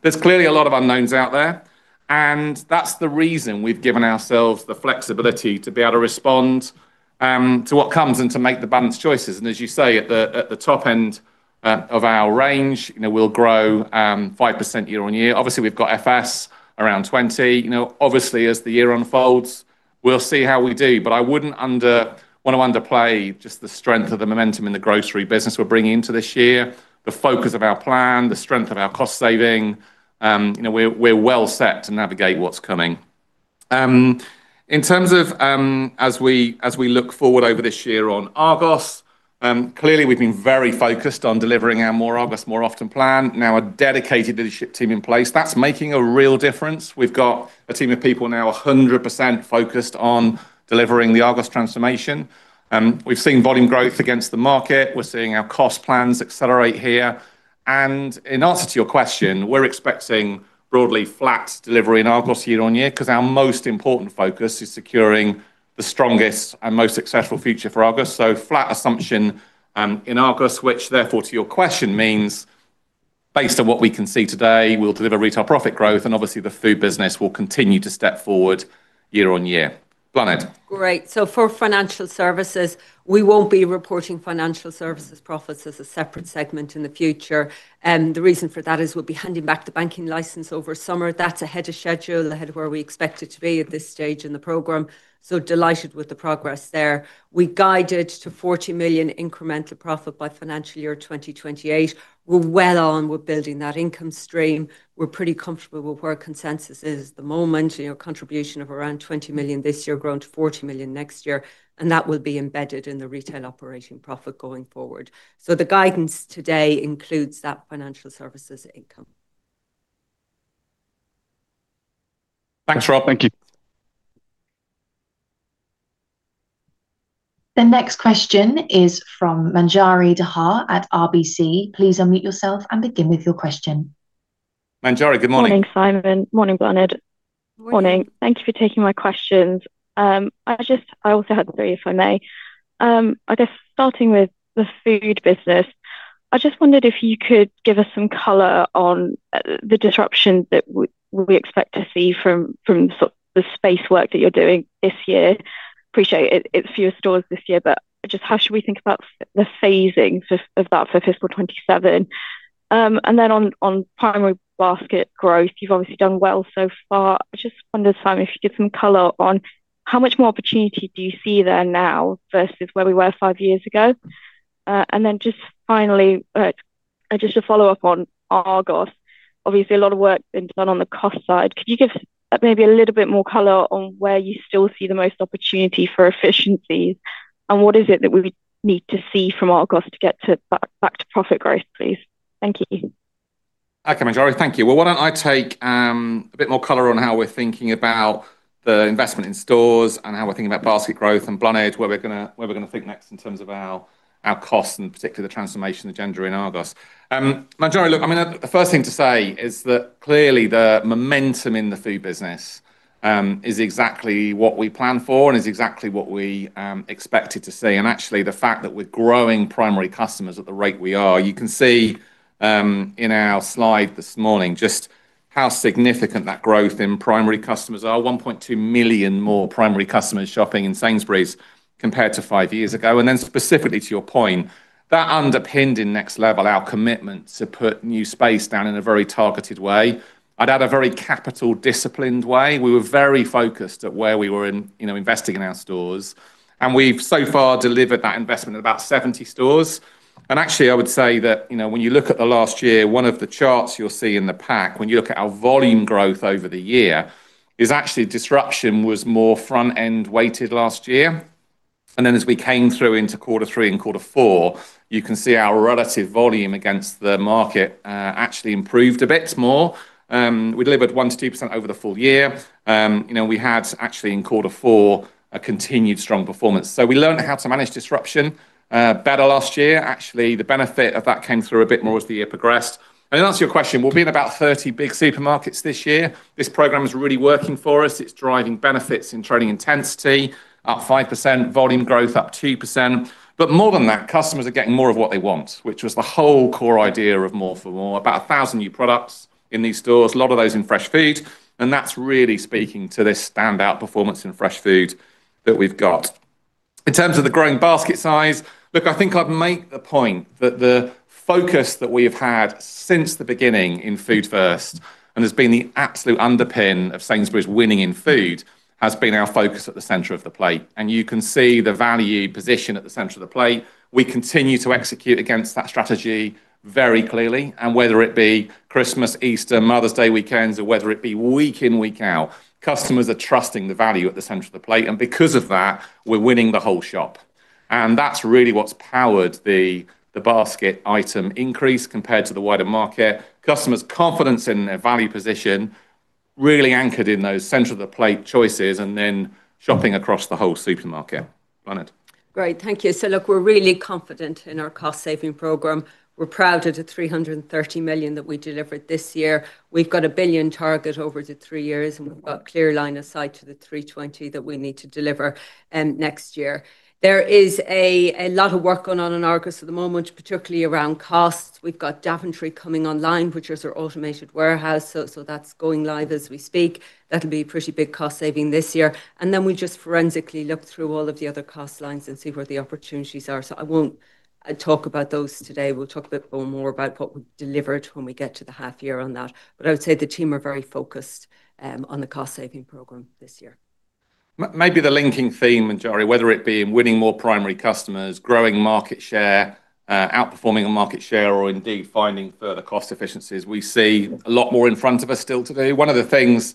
There's clearly a lot of unknowns out there, and that's the reason we've given ourselves the flexibility to be able to respond to what comes and to make the balanced choices. As you say, at the top end of our range, we'll grow 5% year-over-year. Obviously, we've got FS around 20. Obviously, we'll see how we do, but I wouldn't want to underplay just the strength of the momentum in the grocery business we're bringing into this year, the focus of our plan, the strength of our cost savings. We're well set to navigate what's coming. In terms of, as we look forward over this year on Argos, clearly we've been very focused on delivering our More Argos, More Often plan. Now, a dedicated leadership team in place, that's making a real difference. We've got a team of people now 100% focused on delivering the Argos transformation. We've seen volume growth against the market. We're seeing our cost plans accelerate here. In answer to your question, we're expecting broadly flat delivery in Argos year on year because our most important focus is securing the strongest and most successful future for Argos. Flat assumption in Argos, which therefore, to your question means, based on what we can see today, we'll deliver retail profit growth and obviously the food business will continue to step forward year-on-year. Bláthnaid? Great. For financial services, we won't be reporting financial services profits as a separate segment in the future. The reason for that is we'll be handing back the banking license over summer. That's ahead of schedule, ahead of where we expect it to be at this stage in the program. Delighted with the progress there. We guided to 40 million incremental profit by financial year 2028. We're well on with building that income stream. We're pretty comfortable with where consensus is at the moment, contribution of around 20 million this year, growing to 40 million next year, and that will be embedded in the retail operating profit going forward. The guidance today includes that financial services income. Thanks, Rob. Thank you. The next question is from Manjari Dhar at RBC. Please unmute yourself and begin with your question. Manjari, good morning. Morning, Simon. Morning, Bláthnaid. Morning. Morning. Thank you for taking my questions. I also had three, if I may. I guess starting with the food business, I just wondered if you could give us some color on the disruption that we expect to see from the space work that you're doing this year. Appreciate it's fewer stores this year, but just how should we think about the phasing of that for fiscal 2027? And then on primary basket growth, you've obviously done well so far. I just wondered, Simon, if you could give some color on how much more opportunity do you see there now versus where we were five years ago? And then just finally, just to follow up on Argos, obviously a lot of work being done on the cost side. Could you give maybe a little bit more color on where you still see the most opportunity for efficiencies, and what is it that we would need to see from Argos to get back to profit growth, please? Thank you. Okay, Manjari, thank you. Well, why don't I take a bit more color on how we're thinking about the investment in stores and how we're thinking about basket growth and Bláthnaid, where we're going to think next in terms of our costs and particularly the transformation agenda in Argos. Manjari, look, the first thing to say is that clearly the momentum in the food business is exactly what we planned for and is exactly what we expected to see. Actually, the fact that we're growing primary customers at the rate we are, you can see in our slide this morning just how significant that growth in primary customers are. 1.2 million more primary customers shopping in Sainsbury's compared to five years ago. Then specifically to your point, that underpinned in Next Level, our commitment to put new space down in a very targeted way. I'd add a very capital disciplined way. We were very focused at where we were investing in our stores, and we've so far delivered that investment at about 70 stores. Actually, I would say that when you look at the last year, one of the charts you'll see in the pack when you look at our volume growth over the year is actually disruption was more front-end weighted last year. Then as we came through into quarter three and quarter four, you can see our relative volume against the market actually improved a bit more. We delivered 1%-2% over the full year. We had actually in quarter four a continued strong performance. We learned how to manage disruption better last year. Actually, the benefit of that came through a bit more as the year progressed. To answer your question, we'll be in about 30 big supermarkets this year. This program is really working for us. It's driving benefits in trading intensity, up 5%, volume growth up 2%. More than that, customers are getting more of what they want, which was the whole core idea of More for More. About 1,000 new products in these stores, a lot of those in fresh food, and that's really speaking to this standout performance in fresh food that we've got. In terms of the growing basket size, look, I think I'd make the point that the focus that we have had since the beginning in Food First, and has been the absolute underpin of Sainsbury's winning in food, has been our focus at the center of the plate. You can see the value position at the center of the plate. We continue to execute against that strategy very clearly. Whether it be Christmas, Easter, Mother's Day weekends, or whether it be week in, week out, customers are trusting the value at the center of the plate. Because of that, we're winning the whole shop. That's really what's powered the basket item increase compared to the wider market. Customers' confidence in their value position really anchored in those center of the plate choices and then shopping across the whole supermarket. Bláthnaid. Great. Thank you. Look, we're really confident in our cost saving program. We're proud of the 330 million that we delivered this year. We've got a 1 billion target over the three years, and we've got clear line of sight to the 320 million that we need to deliver next year. There is a lot of work going on in Argos at the moment, particularly around costs. We've got Daventry coming online, which is our automated warehouse, so that's going live as we speak. That'll be a pretty big cost saving this year. Then we just forensically look through all of the other cost lines and see where the opportunities are. I won't talk about those today. We'll talk a bit more about what we delivered when we get to the half year on that. I would say the team are very focused on the cost saving program this year. Maybe the linking theme, Manjari, whether it be in winning more primary customers, growing market share, outperforming on market share, or indeed finding further cost efficiencies, we see a lot more in front of us still to do. One of the things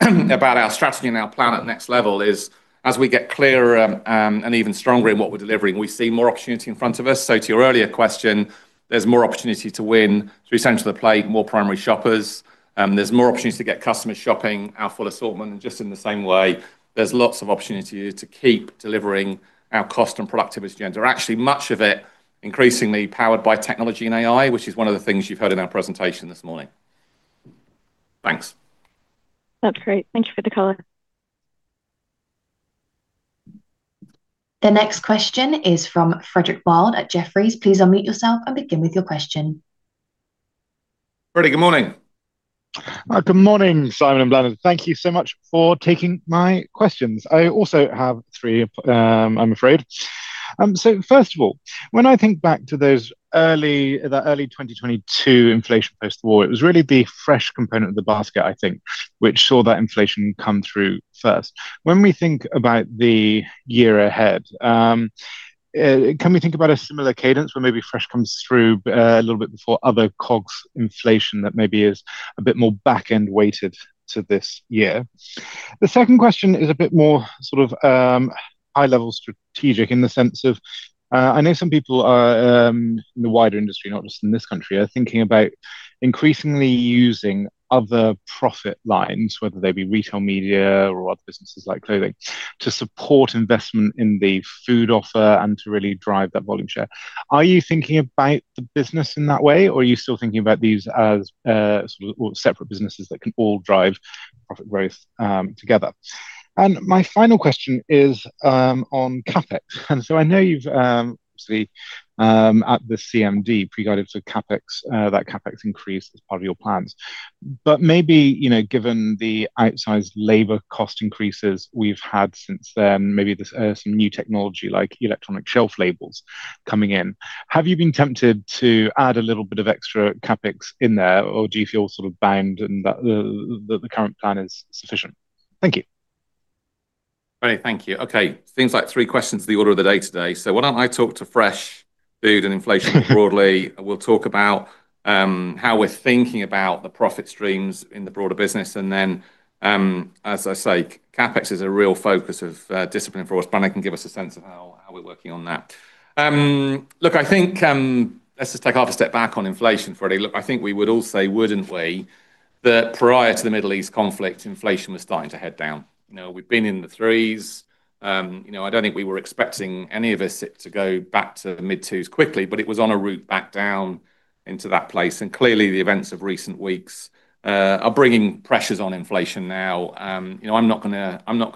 about our strategy and our plan at Next Level is as we get clearer and even stronger in what we're delivering, we see more opportunity in front of us. To your earlier question, there's more opportunity to win through center of the plate, more primary shoppers. There's more opportunities to get customers shopping our full assortment, just in the same way there's lots of opportunity to keep delivering our cost and productivity agenda. Actually much of it increasingly powered by technology and AI, which is one of the things you've heard in our presentation this morning. Thanks. That's great. Thank you for the color. The next question is from Frederick Wild at Jefferies. Please unmute yourself and begin with your question. Freddie, good morning. Good morning, Simon and Bláthnaid. Thank you so much for taking my questions. I also have three, I'm afraid. First of all, when I think back to that early 2022 inflation post-war, it was really the fresh component of the basket, I think, which saw that inflation come through first. When we think about the year ahead, can we think about a similar cadence where maybe fresh comes through a little bit before other COGS inflation that maybe is a bit more back-end weighted to this year? The second question is a bit more sort of high level strategic in the sense of, I know some people are, in the wider industry, not just in this country, are thinking about increasingly using other profit lines, whether they be retail media or other businesses like clothing, to support investment in the food offer and to really drive that volume share. Are you thinking about the business in that way, or are you still thinking about these as sort of separate businesses that can all drive profit growth together? My final question is on CapEx. I know you've obviously at the CMD pre-guided the CapEx increase as part of your plans. Maybe, given the outsized labor cost increases we've had since then, maybe with some new technology like electronic shelf labels coming in. Have you been tempted to add a little bit of extra CapEx in there, or do you feel sort of bound by that the current plan is sufficient? Thank you. Freddie, thank you. Okay, seems like three questions are the order of the day today. Why don't I talk to fresh food and inflation broadly? We'll talk about how we're thinking about the profit streams in the broader business, and then, as I say, CapEx is a real focus of discipline for us. Bláthnaid can give us a sense of how we're working on that. Let's just take half a step back on inflation, Freddie. Look, I think we would all say, wouldn't we, that prior to the Middle East conflict, inflation was starting to head down. We'd been in the threes. I don't think we were expecting any of us it to go back to the mid-twos quickly, but it was on a route back down into that place. Clearly the events of recent weeks are bringing pressures on inflation now. I'm not going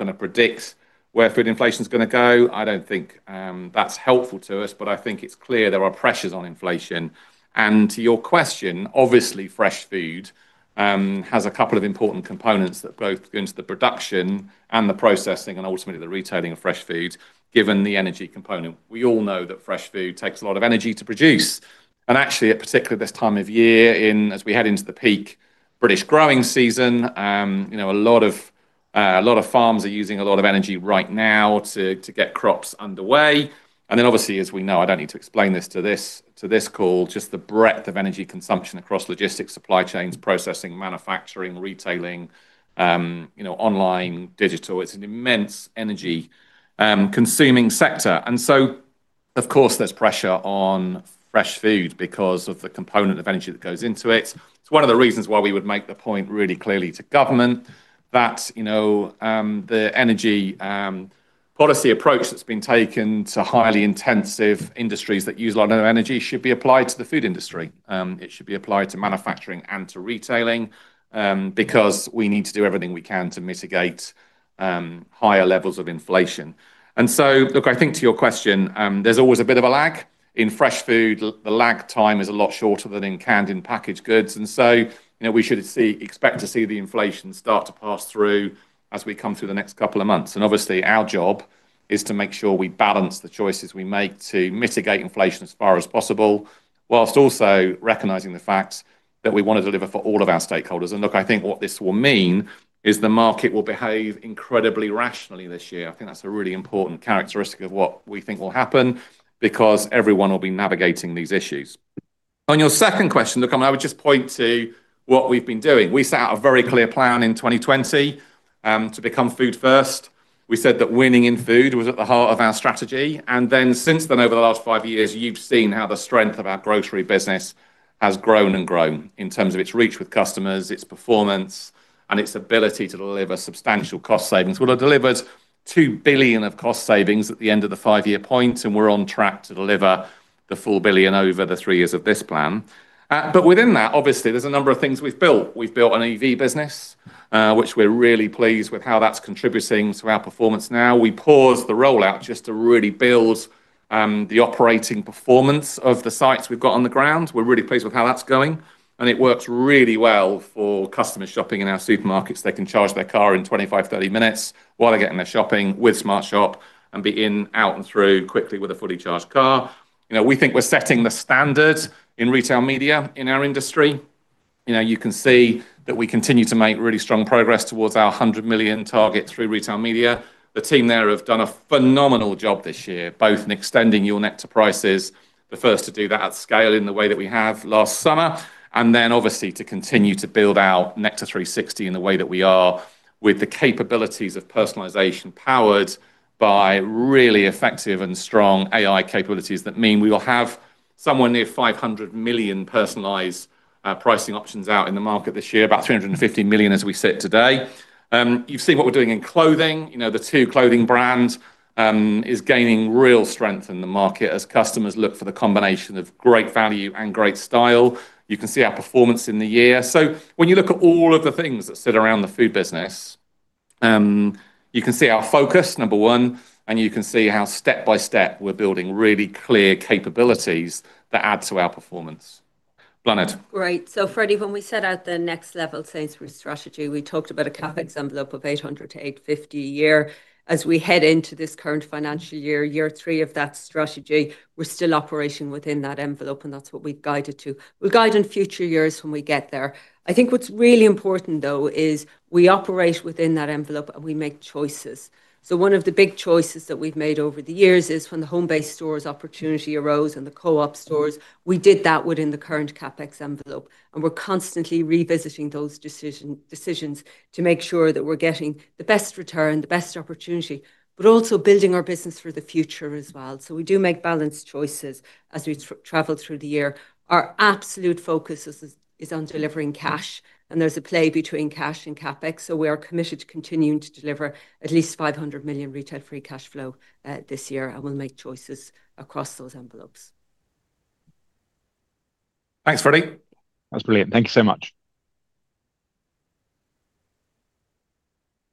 to predict where food inflation's going to go. I don't think that's helpful to us, but I think it's clear there are pressures on inflation. To your question, obviously fresh food has a couple of important components that both go into the production and the processing and ultimately the retailing of fresh food, given the energy component. We all know that fresh food takes a lot of energy to produce. Actually, particularly this time of year in, as we head into the peak British growing season, a lot of farms are using a lot of energy right now to get crops underway. Then obviously, as we know, I don't need to explain this to this call, just the breadth of energy consumption across logistics, supply chains, processing, manufacturing, retailing, online, digital. It's an immense energy consuming sector. Of course, there's pressure on fresh food because of the component of energy that goes into it. It's one of the reasons why we would make the point really clearly to government that the energy policy approach that's been taken to highly intensive industries that use a lot of energy should be applied to the food industry. It should be applied to manufacturing and to retailing, because we need to do everything we can to mitigate higher levels of inflation. Look, I think to your question, there's always a bit of a lag. In fresh food, the lag time is a lot shorter than in canned and packaged goods. We should expect to see the inflation start to pass through as we come through the next couple of months. Obviously our job is to make sure we balance the choices we make to mitigate inflation as far as possible, while also recognizing the fact that we want to deliver for all of our stakeholders. Look, I think what this will mean is the market will behave incredibly rationally this year. I think that's a really important characteristic of what we think will happen because everyone will be navigating these issues. On your second question, look, I would just point to what we've been doing. We set out a very clear plan in 2020 to become Food First. We said that winning in food was at the heart of our strategy. Since then, over the last five years, you've seen how the strength of our grocery business has grown and grown in terms of its reach with customers, its performance, and its ability to deliver substantial cost savings. Well, it delivered 2 billion of cost savings at the end of the five year point, and we're on track to deliver the 4 billion over the three years of this plan. Within that, obviously there's a number of things we've built. We've built an EV business, which we're really pleased with how that's contributing to our performance now. We paused the rollout just to really build the operating performance of the sites we've got on the ground. We're really pleased with how that's going, and it works really well for customers shopping in our supermarkets. They can charge their car in 25-30 minutes while they're getting their shopping with SmartShop and be in, out and through quickly with a fully charged car. We think we're setting the standard in retail media in our industry. You can see that we continue to make really strong progress towards our 100 million target through retail media. The team there have done a phenomenal job this year, both in extending Your Nectar Prices, the first to do that at scale in the way that we have last summer, and then obviously to continue to build out Nectar360 in the way that we are with the capabilities of personalization, powered by really effective and strong AI capabilities that mean we will have somewhere near 500 million personalized pricing options out in the market this year, about 350 million as we sit today. You've seen what we're doing in clothing. The Tu clothing brand is gaining real strength in the market as customers look for the combination of great value and great style. You can see our performance in the year. When you look at all of the things that sit around the food business, you can see our focus, number one, and you can see how step by step we're building really clear capabilities that add to our performance. Bláthnaid. Great. Freddie, when we set out the Next Level Sainsbury's strategy, we talked about a CapEx envelope of 800-850 a year. As we head into this current financial year three of that strategy, we're still operating within that envelope, and that's what we've guided to. We'll guide in future years when we get there. I think what's really important, though, is we operate within that envelope and we make choices. One of the big choices that we've made over the years is when the Homebase stores opportunity arose and the Co-op stores, we did that within the current CapEx envelope, and we're constantly revisiting those decisions to make sure that we're getting the best return, the best opportunity, but also building our business for the future as well. We do make balanced choices as we travel through the year. Our absolute focus is on delivering cash, and there's a play between cash and CapEx. We are committed to continuing to deliver at least 500 million retail free cash flow this year, and we'll make choices across those envelopes. Thanks, Freddie. That's brilliant. Thank you so much.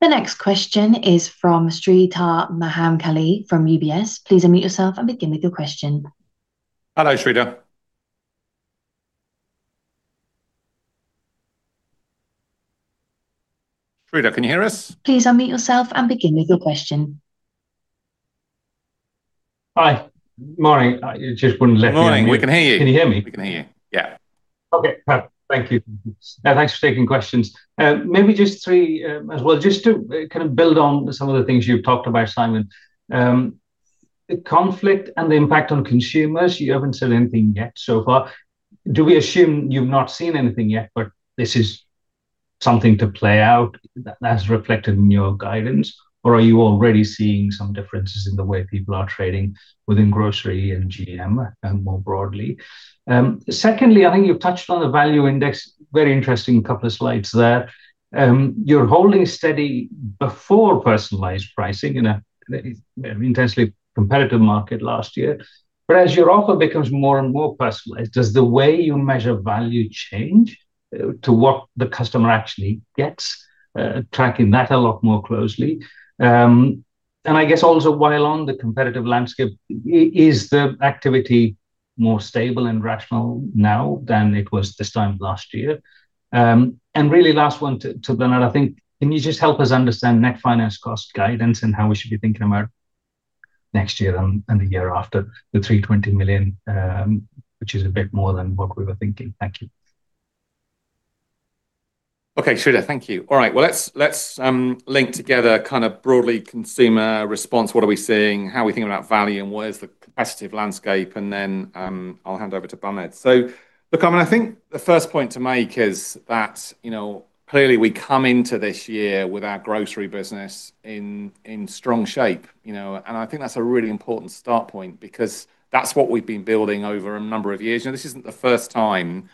The next question is from Sreedhar Mahamkali from UBS. Please unmute yourself and begin with your question. Hello, Sreedhar. Sreedhar, can you hear us? Please unmute yourself and begin with your question. Hi. Morning. It just wouldn't let me in. Morning. We can hear you. Can you hear me? We can hear you, yeah. Okay, perfect. Thank you. Thanks for taking questions. Maybe just three as well, just to kind of build on some of the things you've talked about, Simon. The conflict and the impact on consumers, you haven't said anything yet so far. Do we assume you've not seen anything yet, but this is something to play out that's reflected in your guidance, or are you already seeing some differences in the way people are trading within grocery and GM more broadly? Secondly, I think you've touched on the value index. Very interesting couple of slides there. You're holding steady before personalized pricing in an intensely competitive market last year. But as your offer becomes more and more personalized, does the way you measure value change to what the customer actually gets, tracking that a lot more closely? I guess also, while on the competitive landscape, is the activity more stable and rational now than it was this time last year? Really last one to Bláthnaid, I think, can you just help us understand net finance cost guidance and how we should be thinking about next year and the year after the 320 million, which is a bit more than what we were thinking. Thank you. Okay, Sreedhar. Thank you. All right. Well, let's link together kind of broadly consumer response. What are we seeing, how are we thinking about value, and where's the competitive landscape? I'll hand over to Bláthnaid. Look, I think the first point to make is that clearly we come into this year with our grocery business in strong shape. I think that's a really important start point because that's what we've been building over a number of years. This isn't the first time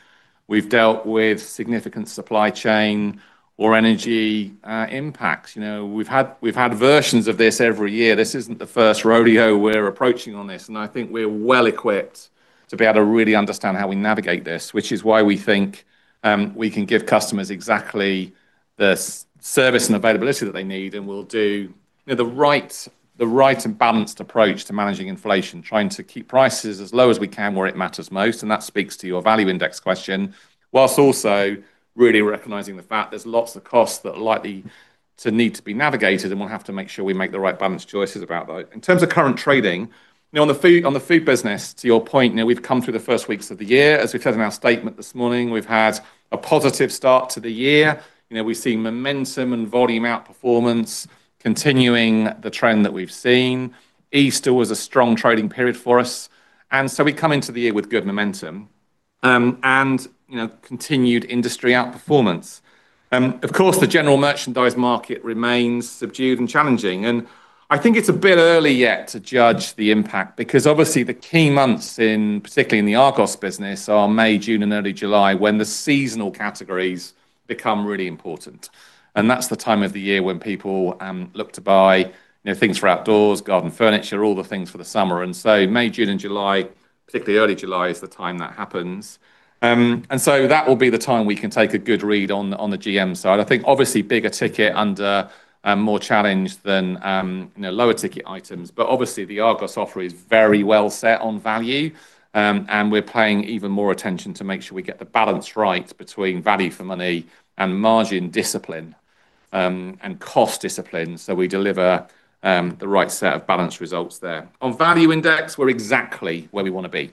we've dealt with significant supply chain or energy impacts. We've had versions of this every year. This isn't the first rodeo we're approaching on this, and I think we're well equipped to be able to really understand how we navigate this, which is why we think we can give customers exactly the service and availability that they need, and we'll do the right and balanced approach to managing inflation, trying to keep prices as low as we can where it matters most. That speaks to your value index question, while also really recognizing the fact there's lots of costs that are likely to need to be navigated, and we'll have to make sure we make the right balanced choices about those. In terms of current trading, on the food business, to your point, we've come through the first weeks of the year. As we said in our statement this morning, we've had a positive start to the year. We've seen momentum and volume outperformance continuing the trend that we've seen. Easter was a strong trading period for us, and so we come into the year with good momentum, and continued industry outperformance. Of course, the general merchandise market remains subdued and challenging. I think it's a bit early yet to judge the impact, because obviously the key months, particularly in the Argos business, are May, June and early July, when the seasonal categories become really important. That's the time of the year when people look to buy things for outdoors, garden furniture, all the things for the summer. May, June and July, particularly early July, is the time that happens. That will be the time we can take a good read on the GM side. I think obviously bigger ticket under more challenge than lower ticket items. Obviously the Argos offer is very well set on value, and we're paying even more attention to make sure we get the balance right between value for money and margin discipline and cost discipline. We deliver the right set of balanced results there. On value index, we're exactly where we want to be,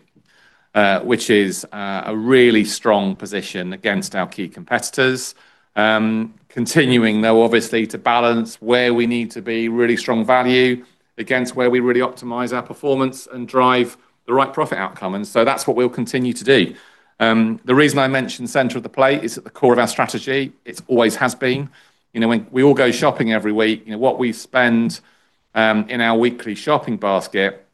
which is a really strong position against our key competitors, continuing, though, obviously, to balance where we need to be really strong value against where we really optimize our performance and drive the right profit outcome. That's what we'll continue to do. The reason I mention center of the plate is at the core of our strategy, it always has been. We all go shopping every week. What we spend in our weekly shopping basket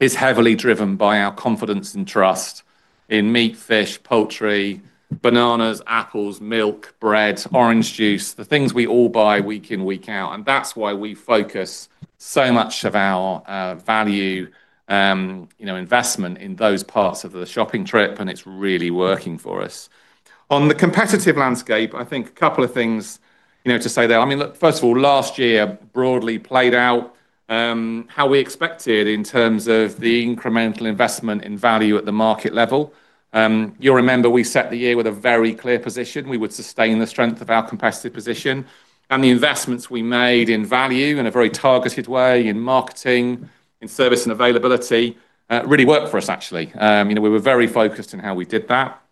is heavily driven by our confidence and trust in meat, fish, poultry, bananas, apples, milk, bread, orange juice, the things we all buy week in, week out. That's why we focus so much of our value investment in those parts of the shopping trip, and it's really working for us. On the competitive landscape, I think a couple of things to say there. First of all, last year broadly played out how we expected in terms of the incremental investment in value at the market level. You'll remember we set the year with a very clear position. We would sustain the strength of our competitive position. The investments we made in value in a very targeted way, in marketing, in service and availability, really worked for us actually. We were very focused on how we did that.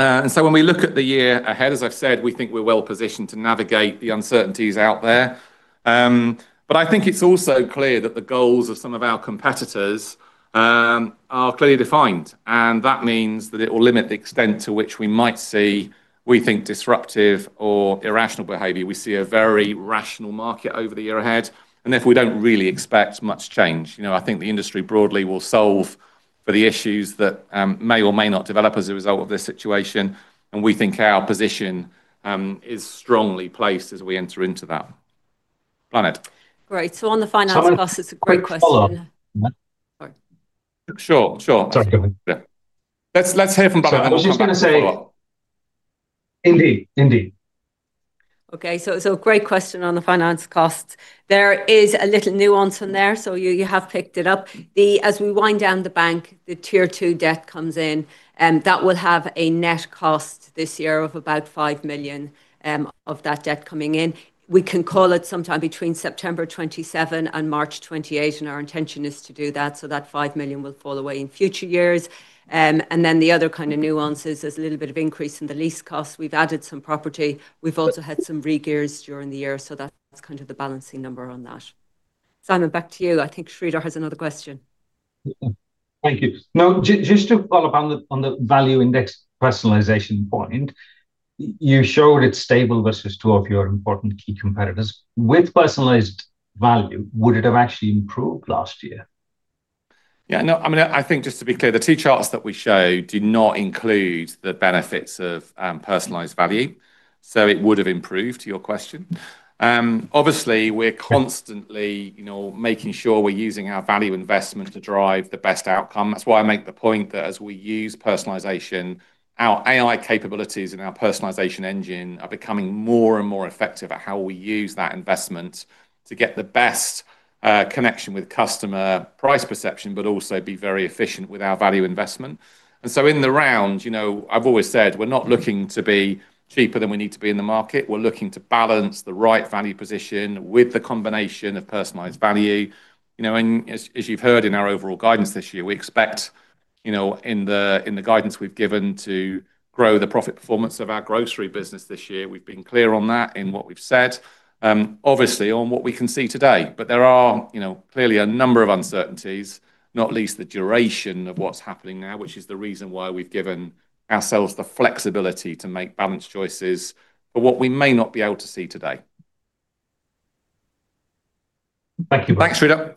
When we look at the year ahead, as I've said, we think we're well positioned to navigate the uncertainties out there. I think it's also clear that the goals of some of our competitors are clearly defined, and that means that it will limit the extent to which we might see, we think, disruptive or irrational behavior. We see a very rational market over the year ahead, and if we don't really expect much change. I think the industry broadly will solve for the issues that may or may not develop as a result of this situation, and we think our position is strongly placed as we enter into that. Bláthnaid? Great. On the financials, it's a great question. Sure. Sorry, go on. Let's hear from Bláthnaid. I was just going to say indeed. Okay, great question on the finance costs. There is a little nuance in there, so you have picked it up. As we wind down the bank, the Tier Two debt comes in. That will have a net cost this year of about 5 million of that debt coming in. We can call it sometime between September 27 and March 28, and our intention is to do that so that 5 million will fall away in future years. Then the other kind of nuance is there's a little bit of increase in the lease costs. We've added some property. We've also had some regears during the year, so that's kind of the balancing number on that. Simon, back to you. I think Sreedhar has another question. Thank you. Now, just to follow up on the value index personalization point. You showed it's stable versus two of your important key competitors. With personalized value, would it have actually improved last year? Yeah. No, I think just to be clear, the two charts that we show did not include the benefits of personalized value, so it would have improved, to your question. Obviously, we're constantly making sure we're using our value investment to drive the best outcome. That's why I make the point that as we use personalization, our AI capabilities and our personalization engine are becoming more and more effective at how we use that investment to get the best connection with customer price perception, but also be very efficient with our value investment. In the round, I've always said we're not looking to be cheaper than we need to be in the market. We're looking to balance the right value position with the combination of personalized value. As you've heard in our overall guidance this year, we expect in the guidance we've given to grow the profit performance of our grocery business this year. We've been clear on that in what we've said. Obviously, on what we can see today. There are clearly a number of uncertainties, not least the duration of what's happening now, which is the reason why we've given ourselves the flexibility to make balanced choices for what we may not be able to see today. Thank you. Thanks, Sreedhar.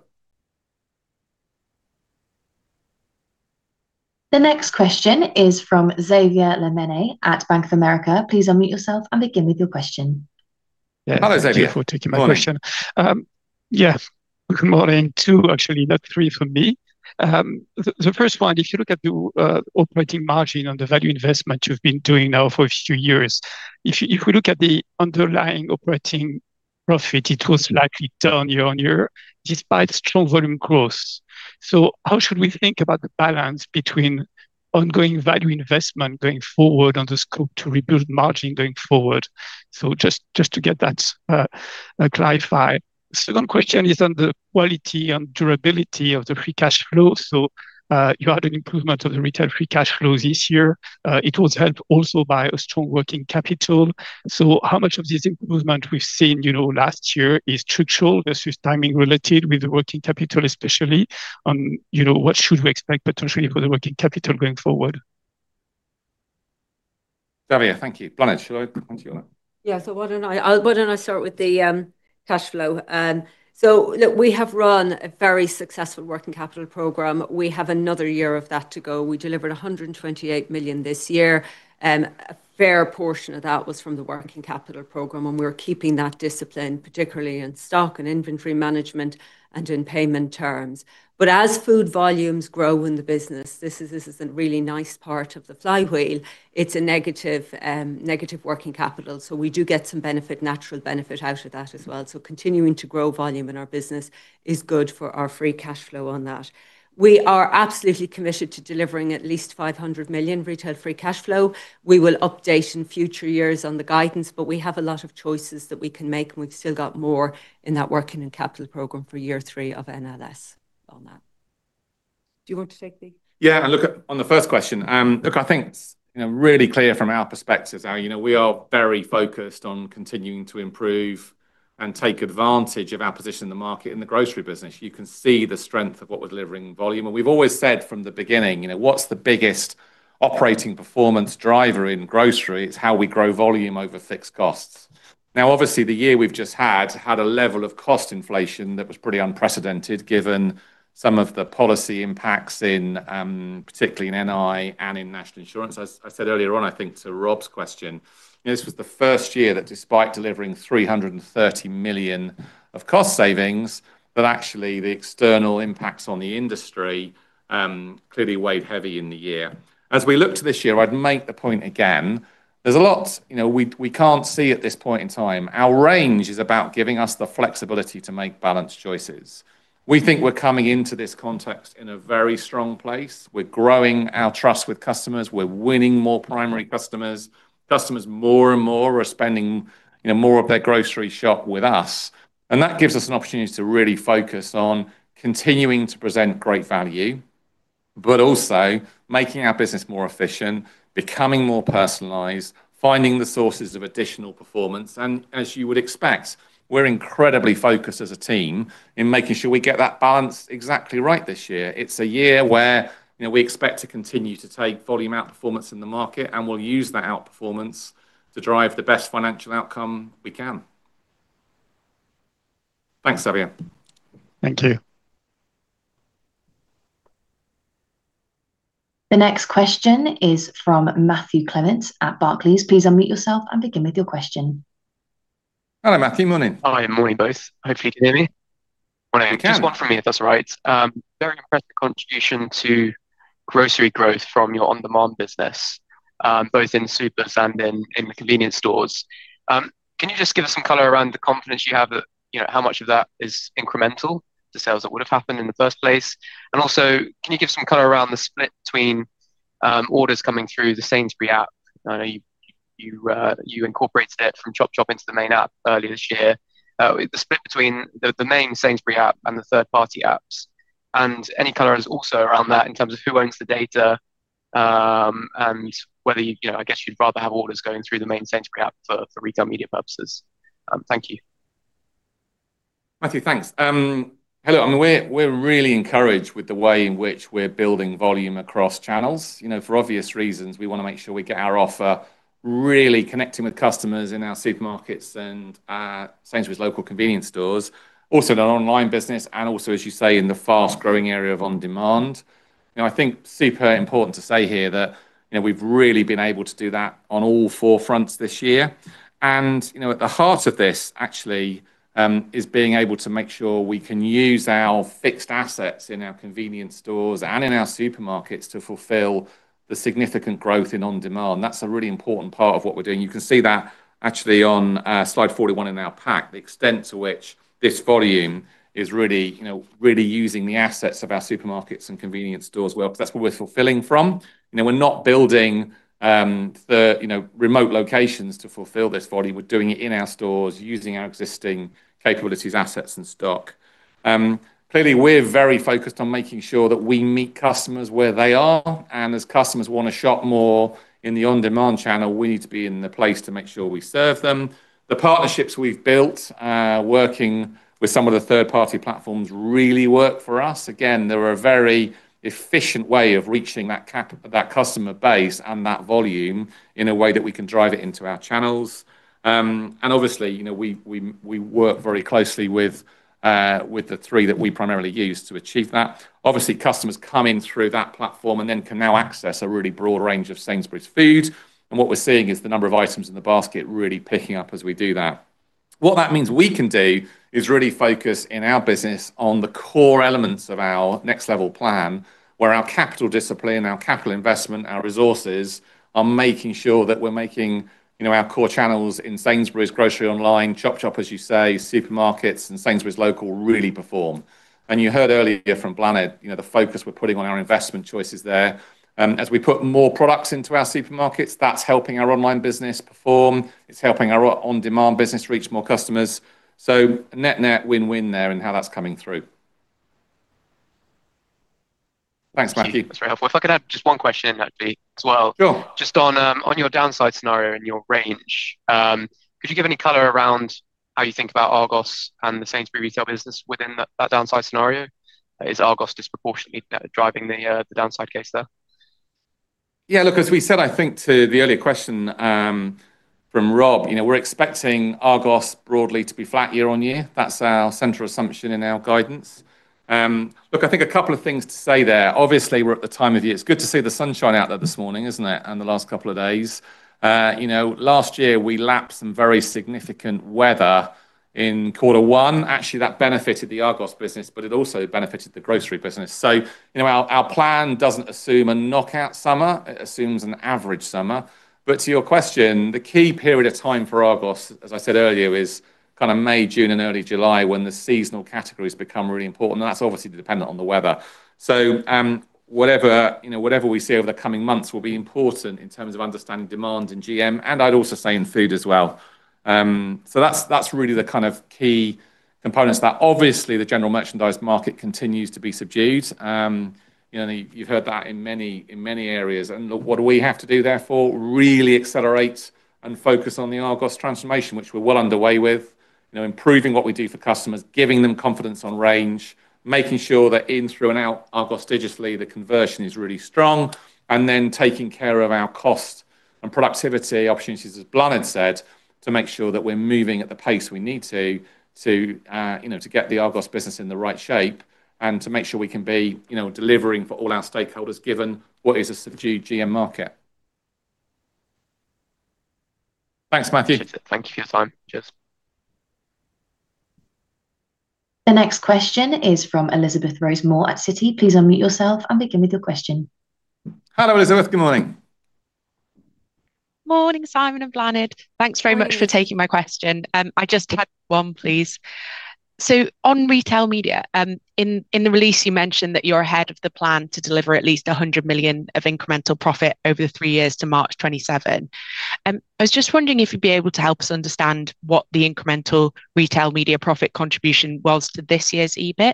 The next question is from Xavier Le Mené at Bank of America. Please unmute yourself and begin with your question. Hi, Xavier. Thank you for taking my question. Morning. Yeah. Good morning. Two, actually. No, three from me. The first one, if you look at the operating margin on the value investment you've been doing now for a few years, if you look at the underlying operating profit, it was slightly down year-on-year despite strong volume growth. How should we think about the balance between ongoing value investment going forward and the scope to rebuild margin going forward? Just to get that clarified. Second question is on the quality and durability of the free cash flow. You had an improvement of the retail free cash flow this year. It was helped also by a strong working capital. How much of this improvement we've seen last year is structural versus timing related with the working capital, especially on what should we expect potentially for the working capital going forward? Xavier, thank you. Bláthnaid, shall I hand to you on that? Yeah. Why don't I start with the cash flow. Look, we have run a very successful working capital program. We have another year of that to go. We delivered 128 million this year. A fair portion of that was from the working capital program, and we're keeping that discipline, particularly in stock and inventory management and in payment terms. As food volumes grow in the business, this is the really nice part of the flywheel. It's a negative working capital. We do get some natural benefit out of that as well. Continuing to grow volume in our business is good for our free cash flow on that. We are absolutely committed to delivering at least 500 million retail free cash flow. We will update in future years on the guidance, but we have a lot of choices that we can make, and we've still got more in that working capital program for year three of NLS. Do you want to take the? Yeah. On the first question, look, I think it's really clear from our perspective, we are very focused on continuing to improve and take advantage of our position in the market in the grocery business. You can see the strength of what we're delivering volume. We've always said from the beginning, what's the biggest operating performance driver in grocery? It's how we grow volume over fixed costs. Now, obviously, the year we've just had a level of cost inflation that was pretty unprecedented given some of the policy impacts particularly in NI and in National Insurance. As I said earlier on, I think, to Rob's question, this was the first year that despite delivering 330 million of cost savings, that actually the external impacts on the industry clearly weighed heavy in the year. As we look to this year, I'd make the point again, there's a lot we can't see at this point in time. Our range is about giving us the flexibility to make balanced choices. We think we're coming into this context in a very strong place. We're growing our trust with customers. We're winning more primary customers. Customers more and more are spending more of their grocery shop with us, and that gives us an opportunity to really focus on continuing to present great value, but also making our business more efficient, becoming more personalized, finding the sources of additional performance. As you would expect, we're incredibly focused as a team in making sure we get that balance exactly right this year. It's a year where we expect to continue to take volume outperformance in the market, and we'll use that outperformance to drive the best financial outcome we can. Thanks, Xavier. Thank you. The next question is from Matthew Clements at Barclays. Please unmute yourself and begin with your question. Hello, Matthew. Morning. Hi, morning both. Hopefully you can hear me. We can. Just one from me, if that's all right. Very impressive contribution to grocery growth from your on-demand business, both in supers and in the convenience stores. Can you just give us some color around the confidence you have that how much of that is incremental to sales that would have happened in the first place? And also, can you give some color around the split between orders coming through the Sainsbury's app? I know you incorporated it from Chop Chop into the main app earlier this year. The split between the main Sainsbury's app and the third party apps. And any color also around that in terms of who owns the data, and whether you, I guess you'd rather have orders going through the main Sainsbury's app for retail media purposes. Thank you. Matthew, thanks. Hello. We're really encouraged with the way in which we're building volume across channels. For obvious reasons, we want to make sure we get our offer really connecting with customers in our supermarkets and our Sainsbury's Local convenience stores, also in our online business and also, as you say, in the fast-growing area of on-demand. I think super important to say here that we've really been able to do that on all four fronts this year. At the heart of this actually is being able to make sure we can use our fixed assets in our convenience stores and in our supermarkets to fulfill the significant growth in on-demand. That's a really important part of what we're doing. You can see that actually on slide 41 in our pack, the extent to which this volume is really using the assets of our supermarkets and convenience stores well. Because that's where we're fulfilling from. We're not building the remote locations to fulfill this volume. We're doing it in our stores using our existing capabilities, assets, and stock. Clearly, we're very focused on making sure that we meet customers where they are, and as customers want to shop more in the on-demand channel, we need to be in the place to make sure we serve them. The partnerships we've built, working with some of the third party platforms, really work for us. Again, they're a very efficient way of reaching that customer base and that volume in a way that we can drive it into our channels. Obviously, we work very closely with the three that we primarily use to achieve that. Obviously, customers come in through that platform and then can now access a really broad range of Sainsbury's food. What we're seeing is the number of items in the basket really picking up as we do that. What that means we can do is really focus in our business on the core elements of our Next Level plan, where our capital discipline, our capital investment, our resources, are making sure that we're making our core channels in Sainsbury's Groceries Online, Chop Chop, as you say, supermarkets and Sainsbury's Local really perform. You heard earlier from Bláthnaid, the focus we're putting on our investment choices there. As we put more products into our supermarkets, that's helping our online business perform. It's helping our on-demand business reach more customers. Net-net, win-win there in how that's coming through. Thanks, Matthew. That's very helpful. If I could add just one question in actually as well. Sure. Just on your downside scenario and your range, could you give any color around how you think about Argos and the Sainsbury's retail business within that downside scenario? Is Argos disproportionately driving the downside case there? Yeah, look, as we said, I think to the earlier question from Rob, we're expecting Argos broadly to be flat year-on-year. That's our central assumption in our guidance. Look, I think a couple of things to say there. Obviously, we're at the time of year. It's good to see the sunshine out there this morning, isn't it? The last couple of days. Last year, we lapped some very significant weather in quarter one. Actually, that benefited the Argos business, but it also benefited the grocery business. Our plan doesn't assume a knockout summer. It assumes an average summer. To your question, the key period of time for Argos, as I said earlier, is kind of May, June, and early July, when the seasonal categories become really important, and that's obviously dependent on the weather. Whatever we see over the coming months will be important in terms of understanding demand in GM, and I'd also say in food as well. That's really the kind of key components that obviously the general merchandise market continues to be subdued. You've heard that in many areas. Look, what do we have to do therefore? Really accelerate and focus on the Argos transformation, which we're well underway with. Improving what we do for customers, giving them confidence on range, making sure that in, through, and out Argos digitally, the conversion is really strong. Then taking care of our cost and productivity opportunities, as Bláthnaid said, to make sure that we're moving at the pace we need to get the Argos business in the right shape and to make sure we can be delivering for all our stakeholders, given what is a subdued GM market. Thanks, Matthew. Thank you for your time. Cheers. The next question is from Elizabeth Rose Moore at Citi. Please unmute yourself and begin with your question. Hello, Elizabeth. Good morning. Morning, Simon and Bláthnaid. Thanks very much for taking my question. I just had one, please. On retail media, in the release, you mentioned that you're ahead of the plan to deliver at least 100 million of incremental profit over the three years to March 2027. I was just wondering if you'd be able to help us understand what the incremental retail media profit contribution was to this year's EBIT.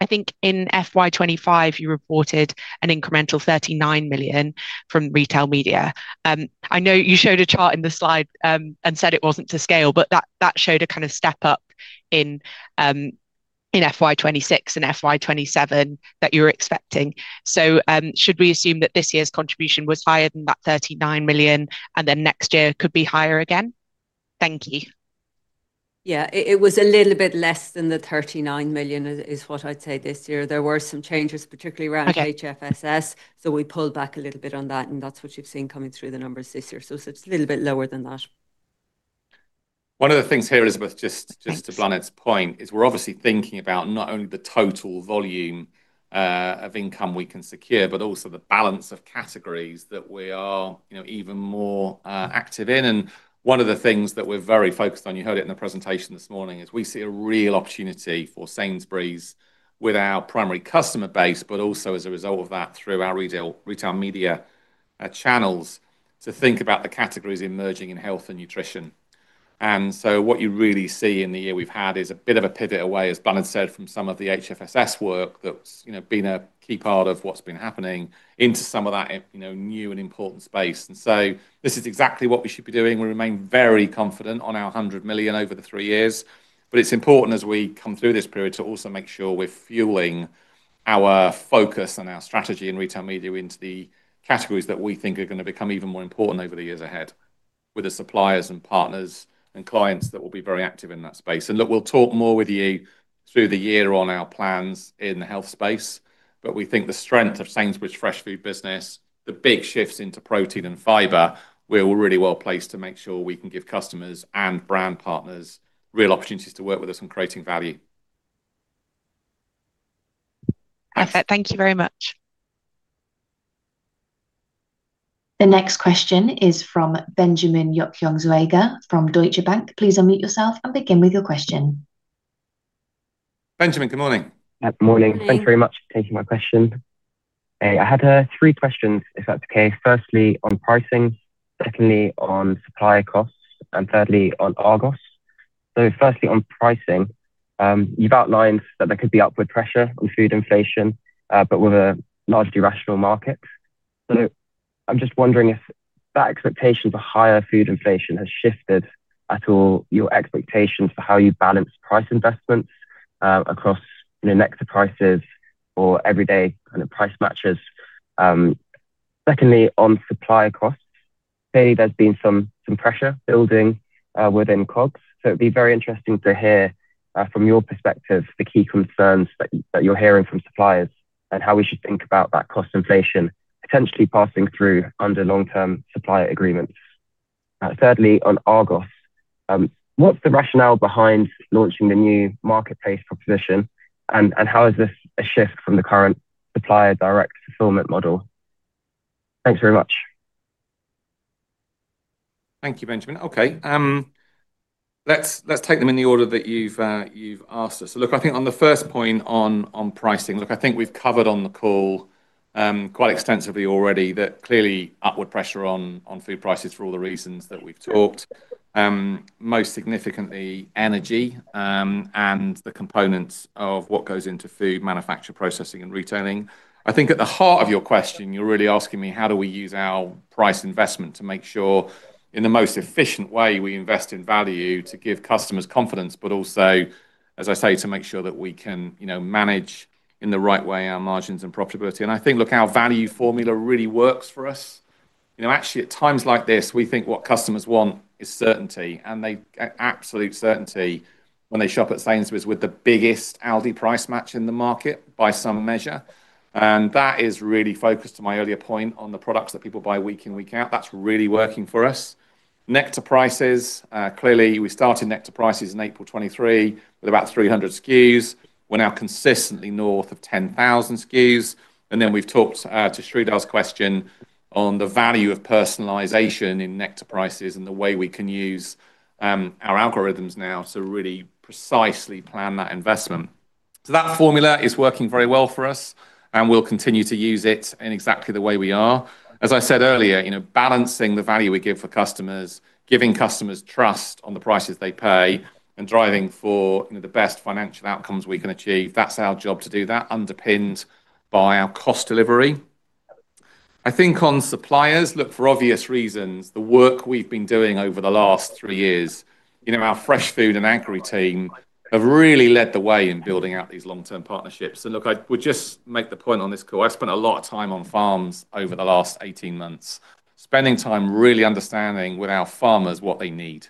I think in FY 2025 you reported an incremental 39 million from retail media. I know you showed a chart in the slide, and said it wasn't to scale, but that showed a kind of step up in FY 2026 and FY 2027 that you were expecting. Should we assume that this year's contribution was higher than that 39 million and then next year could be higher again? Thank you. Yeah, it was a little bit less than the 39 million is what I'd say this year. There were some changes, particularly around- Okay.... HFSS, we pulled back a little bit on that, and that's what you've seen coming through the numbers this year. It's a little bit lower than that. One of the things here, Elizabeth, just to Bláthnaid's point, is we're obviously thinking about not only the total volume of income we can secure, but also the balance of categories that we are even more active in. One of the things that we're very focused on, you heard it in the presentation this morning, is we see a real opportunity for Sainsbury's with our primary customer base, but also as a result of that, through our retail media channels, to think about the categories emerging in health and nutrition. What you really see in the year we've had is a bit of a pivot away, as Bláthnaid said, from some of the HFSS work that's been a key part of what's been happening into some of that new and important space. This is exactly what we should be doing. We remain very confident on our 100 million over the three years. It's important as we come through this period to also make sure we're fueling our focus and our strategy in retail media into the categories that we think are going to become even more important over the years ahead with the suppliers and partners and clients that will be very active in that space. Look, we'll talk more with you through the year on our plans in the health space, but we think the strength of Sainsbury's fresh food business, the big shifts into protein and fiber, we're really well-placed to make sure we can give customers and brand partners real opportunities to work with us on creating value. Perfect. Thank you very much. The next question is from Benjamin Yokyong-Zoega from Deutsche Bank. Please unmute yourself and begin with your question. Benjamin, Good morning. Good morning. Morning. Thanks very much for taking my question. I had three questions, if that's okay. Firstly, on pricing, secondly on supplier costs, and thirdly on Argos. Firstly on pricing, you've outlined that there could be upward pressure on food inflation, but with a largely rational market. I'm just wondering if that expectation for higher food inflation has shifted at all your expectations for how you balance price investments across Nectar prices or everyday kind of price matches. Secondly, on supplier costs, clearly there's been some pressure building within COGS, so it'd be very interesting to hear from your perspective the key concerns that you're hearing from suppliers and how we should think about that cost inflation potentially passing through under long-term supplier agreements. Thirdly, on Argos, what's the rationale behind launching the new marketplace proposition, and how is this a shift from the current supplier direct fulfillment model? Thanks very much. Thank you, Benjamin. Okay. Let's take them in the order that you've asked us. Look, I think on the first point on pricing, look, I think we've covered on the call quite extensively already that clearly upward pressure on food prices for all the reasons that we've talked. Most significantly energy, and the components of what goes into food manufacture, processing, and retailing. I think at the heart of your question, you're really asking me how do we use our price investment to make sure in the most efficient way we invest in value to give customers confidence, but also, as I say, to make sure that we can manage in the right way our margins and profitability. I think, look, our value formula really works for us. Actually at times like this, we think what customers want is certainty, and they get absolute certainty when they shop at Sainsbury's with the biggest Aldi Price Match in the market by some measure. That is really focused on my earlier point on the products that people buy week in, week out. That's really working for us. Nectar Prices, clearly we started Nectar Prices in April 2023 with about 300 SKUs. We're now consistently north of 10,000 SKUs. Then we've talked to Sreedhar's question on the value of personalization in Nectar Prices and the way we can use our algorithms now to really precisely plan that investment. That formula is working very well for us, and we'll continue to use it in exactly the way we are. As I said earlier, balancing the value we give for customers, giving customers trust on the prices they pay, and driving for the best financial outcomes we can achieve, that's our job to do that, underpinned by our cost delivery. I think on suppliers, look, for obvious reasons, the work we've been doing over the last three years, our fresh food and agri team have really led the way in building out these long-term partnerships. Look, I would just make the point on this call. I've spent a lot of time on farms over the last 18 months, spending time really understanding with our farmers what they need.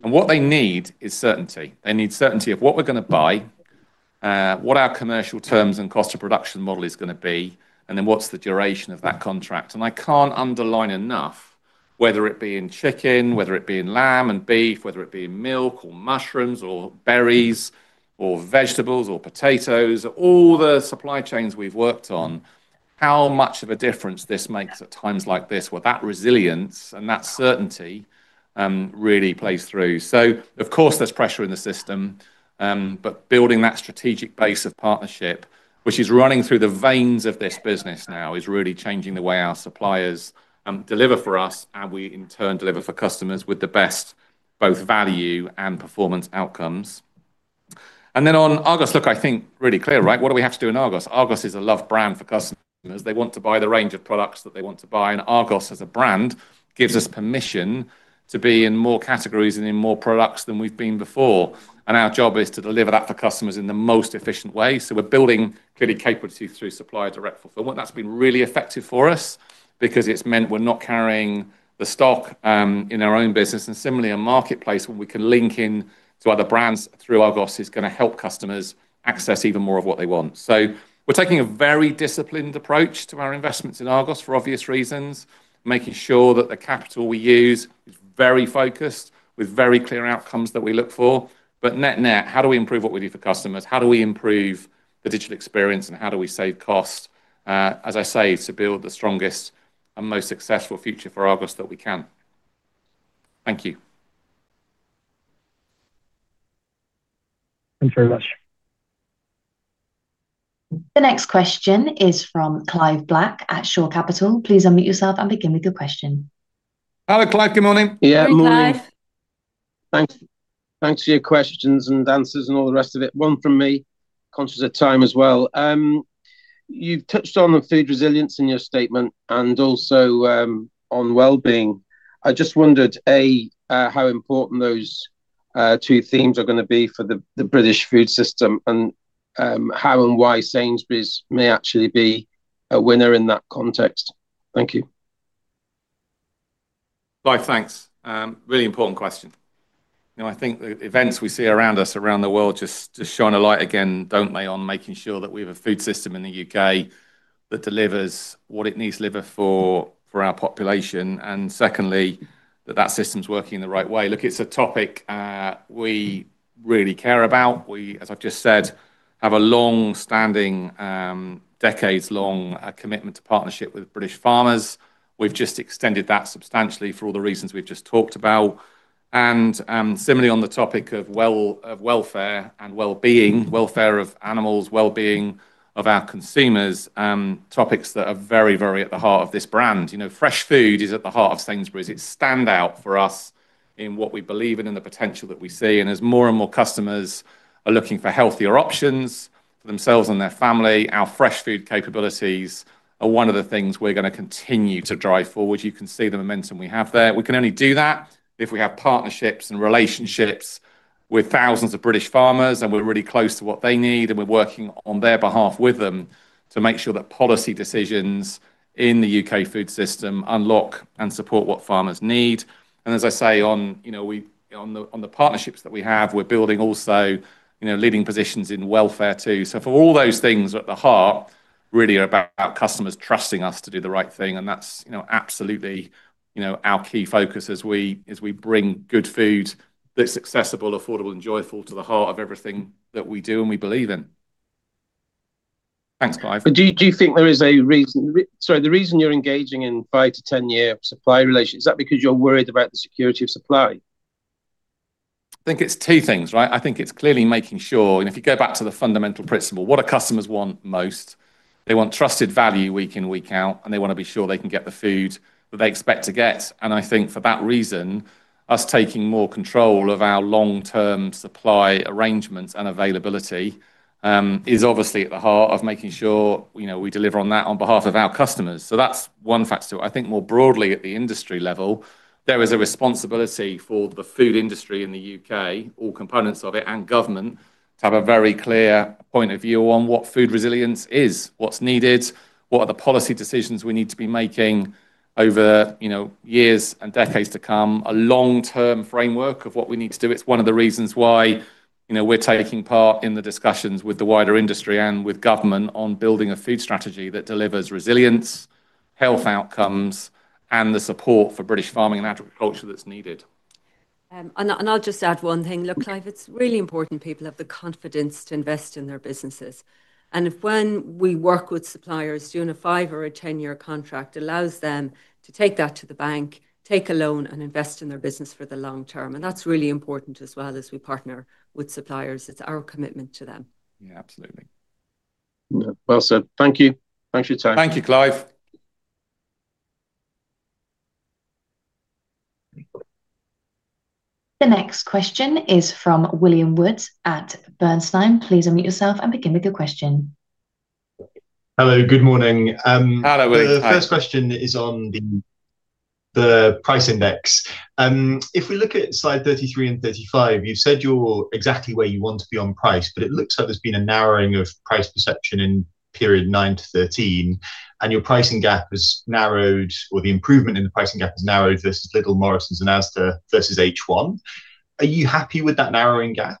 What they need is certainty. They need certainty of what we're going to buy, what our commercial terms and cost of production model is going to be, and then what's the duration of that contract. I can't underline enough, whether it be in chicken, whether it be in lamb and beef, whether it be in milk or mushrooms or berries or vegetables or potatoes, all the supply chains we've worked on, how much of a difference this makes at times like this, where that resilience and that certainty really plays through. Of course, there's pressure in the system, but building that strategic base of partnership, which is running through the veins of this business now, is really changing the way our suppliers deliver for us, and we, in turn, deliver for customers with the best both value and performance outcomes. On Argos, look, I think really clear, right? What do we have to do in Argos? Argos is a loved brand for customers. They want to buy the range of products that they want to buy. Argos, as a brand, gives us permission to be in more categories and in more products than we've been before. Our job is to deliver that for customers in the most efficient way. We're building capability through supplier direct fulfillment. That's been really effective for us because it's meant we're not carrying the stock in our own business. Similarly, a marketplace where we can link in to other brands through Argos is going to help customers access even more of what they want. We're taking a very disciplined approach to our investments in Argos for obvious reasons, making sure that the capital we use is very focused with very clear outcomes that we look for. Net net, how do we improve what we do for customers? How do we improve the digital experience, and how do we save cost, as I say, to build the strongest and most successful future for Argos that we can? Thank you. Thanks very much. The next question is from Clive Black at Shore Capital. Please unmute yourself and begin with your question. Hello, Clive. Good morning. Yeah, morning. Morning, Clive. Thanks for your questions and answers and all the rest of it. One from me, conscious of time as well. You've touched on the food resilience in your statement and also on well-being. I just wondered, A, how important those two themes are going to be for the British food system and how and why Sainsbury's may actually be a winner in that context. Thank you. Clive, thanks. Really important question. I think the events we see around us, around the world, just shine a light again, don't they, on making sure that we have a food system in the U.K. that delivers what it needs to deliver for our population, and secondly, that that system's working in the right way. Look, it's a topic we really care about. We, as I've just said, have a long-standing, decades-long commitment to partnership with British farmers. We've just extended that substantially for all the reasons we've just talked about. Similarly, on the topic of welfare and well-being, welfare of animals, well-being of our consumers, topics that are very at the heart of this brand. Fresh food is at the heart of Sainsbury's. It's standout for us in what we believe in and the potential that we see. As more and more customers are looking for healthier options for themselves and their family, our fresh food capabilities are one of the things we're going to continue to drive forward. You can see the momentum we have there. We can only do that if we have partnerships and relationships with thousands of British farmers, and we're really close to what they need, and we're working on their behalf with them to make sure that policy decisions in the U.K. food system unlock and support what farmers need. As I say, on the partnerships that we have, we're building also leading positions in welfare too. For all those things at the heart really are about customers trusting us to do the right thing, and that's absolutely our key focus as we bring good food that's accessible, affordable, and joyful to the heart of everything that we do and we believe in. Thanks, Clive. The reason you're engaging in five to 10-year supply relations is that because you're worried about the security of supply? I think it's two things, right? I think it's clearly making sure, and if you go back to the fundamental principle, what do customers want most? They want trusted value week in, week out, and they want to be sure they can get the food that they expect to get. I think for that reason, us taking more control of our long-term supply arrangements and availability is obviously at the heart of making sure we deliver on that on behalf of our customers. That's one factor to it. I think more broadly at the industry level, there is a responsibility for the food industry in the U.K., all components of it, and government, to have a very clear point of view on what food resilience is, what's needed, what are the policy decisions we need to be making over years and decades to come, a long-term framework of what we need to do. It's one of the reasons why we're taking part in the discussions with the wider industry and with government on building a food strategy that delivers resilience, health outcomes, and the support for British farming and agriculture that's needed. I'll just add one thing. Look, Clive, it's really important people have the confidence to invest in their businesses. If when we work with suppliers doing a five or 10-year contract allows them to take that to the bank, take a loan, and invest in their business for the long term. That's really important as well as we partner with suppliers. It's our commitment to them. Yeah, absolutely. Well said. Thank you. Thanks for your time. Thank you, Clive. The next question is from William Woods at Bernstein. Please unmute yourself and begin with your question. Hello. Good morning. Hello, William. Hi. The first question is on the price index. If we look at slide 33 and 35, you've said you're exactly where you want to be on price, but it looks like there's been a narrowing of price perception in period nine to 13, and your pricing gap has narrowed, or the improvement in the pricing gap has narrowed versus Lidl, Morrisons and Asda versus H1. Are you happy with that narrowing gap?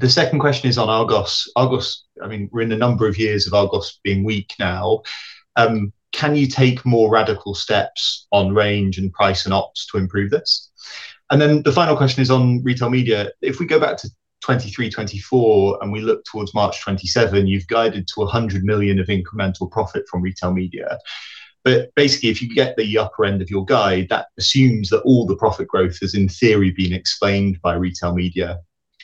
The second question is on Argos. Argos, we're in the number of years of Argos being weak now. Can you take more radical steps on range and price and ops to improve this? The final question is on retail media. If we go back to 2023, 2024, and we look towards March 2027, you've guided to 100 million of incremental profit from retail media. Basically, if you get the upper end of your guide, that assumes that all the profit growth has, in theory, been explained by retail media.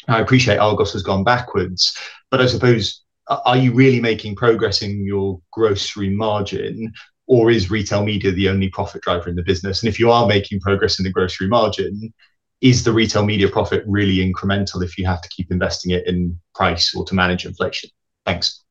I appreciate Argos has gone backwards, but I suppose, are you really making progress in your grocery margin, or is retail media the only profit driver in the business? If you are making progress in the grocery margin, is the retail media profit really incremental if you have to keep investing it in price or to manage inflation? Thanks.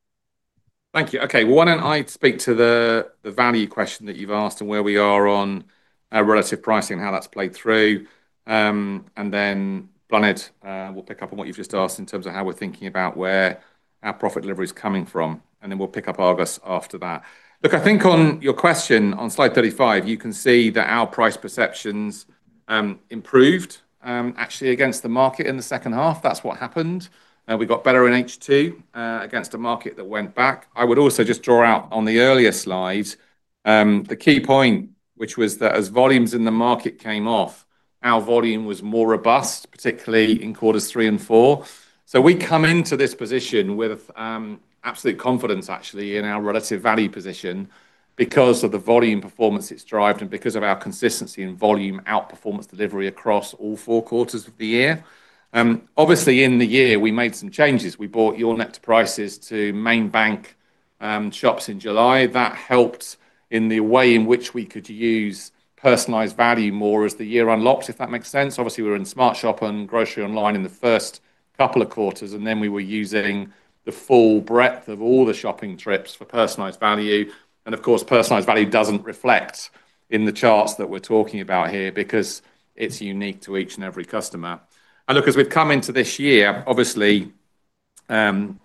Thank you. Okay. Why don't I speak to the value question that you've asked and where we are on our relative pricing, how that's played through, and then Bláthnaid will pick up on what you've just asked in terms of how we're thinking about where our profit delivery is coming from, and then we'll pick up Argos after that. Look, I think on your question on slide 35, you can see that our price perceptions improved, actually against the market in the second half. That's what happened. We got better in H2, against a market that went back. I would also just draw out on the earlier slide, the key point, which was that as volumes in the market came off, our volume was more robust, particularly in quarters three and four. We come into this position with absolute confidence, actually, in our relative value position because of the volume performance it's derived and because of our consistency in volume outperformance delivery across all four quarters of the year. Obviously, in the year, we made some changes. We brought Your Nectar prices to main bank shops in July. That helped in the way in which we could use personalized value more as the year unlocked, if that makes sense. Obviously, we were in SmartShop and Sainsbury's Groceries Online in the first couple of quarters, and then we were using the full breadth of all the shopping trips for personalized value. Of course, personalized value doesn't reflect in the charts that we're talking about here because it's unique to each and every customer. Look, as we've come into this year, obviously, I'm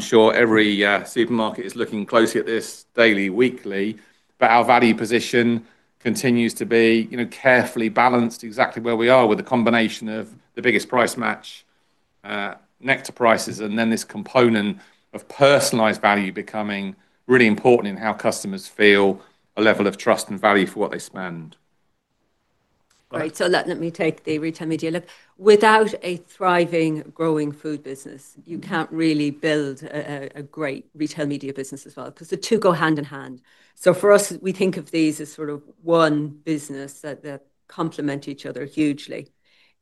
sure every supermarket is looking closely at this daily, weekly, but our value position continues to be carefully balanced exactly where we are with the combination of the biggest price match, Nectar prices, and then this component of personalized value becoming really important in how customers feel a level of trust and value for what they spend. Right. Let me take the retail media look. Without a thriving, growing food business, you can't really build a great retail media business as well, because the two go hand in hand. For us, we think of these as sort of one business that complement each other hugely.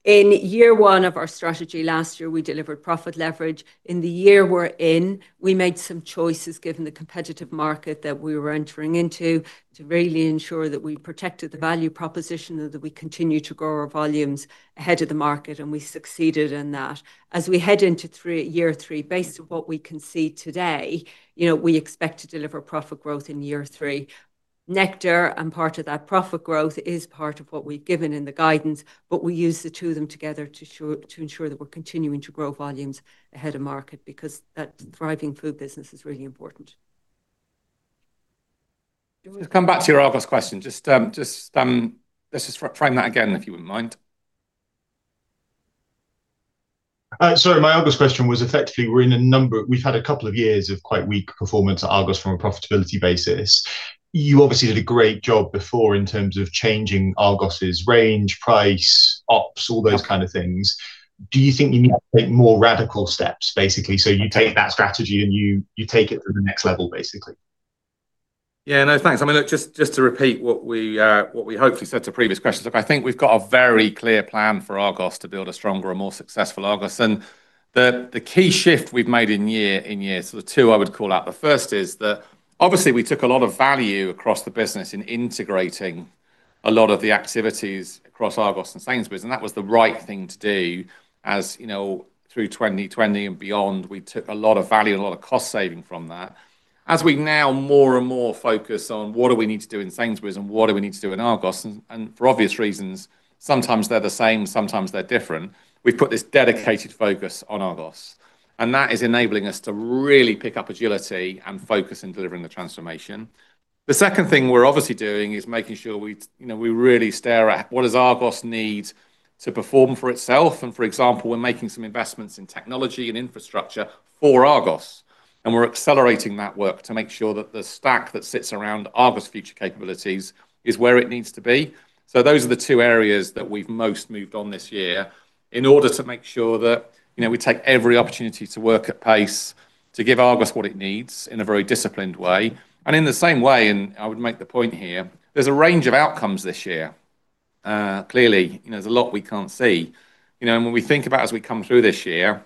In year one of our strategy last year, we delivered profit leverage. In the year we're in, we made some choices, given the competitive market that we were entering into, to really ensure that we protected the value proposition and that we continue to grow our volumes ahead of the market, and we succeeded in that. As we head into year three, based on what we can see today, we expect to deliver profit growth in year three. Nectar and part of that profit growth is part of what we've given in the guidance, but we use the two of them together to ensure that we're continuing to grow volumes ahead of market, because that thriving food business is really important. To come back to your Argos question, let's just frame that again, if you wouldn't mind. Sorry, my Argos question was effectively, we've had a couple of years of quite weak performance at Argos from a profitability basis. You obviously did a great job before in terms of changing Argos's range, price, ops, all those kind of things. Do you think you need to take more radical steps, basically? You take that strategy and you take it to the next level, basically. Yeah. No, thanks. Look, just to repeat what we hopefully said to previous questions. Look, I think we've got a very clear plan for Argos to build a stronger and more successful Argos. The key shift we've made in year, so there are two I would call out. The first is that obviously we took a lot of value across the business in integrating a lot of the activities across Argos and Sainsbury's, and that was the right thing to do. As through 2020 and beyond, we took a lot of value and a lot of cost saving from that. As we now more and more focus on what do we need to do in Sainsbury's and what do we need to do in Argos, and for obvious reasons, sometimes they're the same, sometimes they're different. We've put this dedicated focus on Argos, and that is enabling us to really pick up agility and focus in delivering the transformation. The second thing we're obviously doing is making sure we really stare at what does Argos need to perform for itself. For example, we're making some investments in technology and infrastructure for Argos, and we're accelerating that work to make sure that the stack that sits around Argos' future capabilities is where it needs to be. Those are the two areas that we've most moved on this year in order to make sure that we take every opportunity to work at pace to give Argos what it needs in a very disciplined way. In the same way, and I would make the point here, there's a range of outcomes this year. Clearly, there's a lot we can't see. When we think about as we come through this year,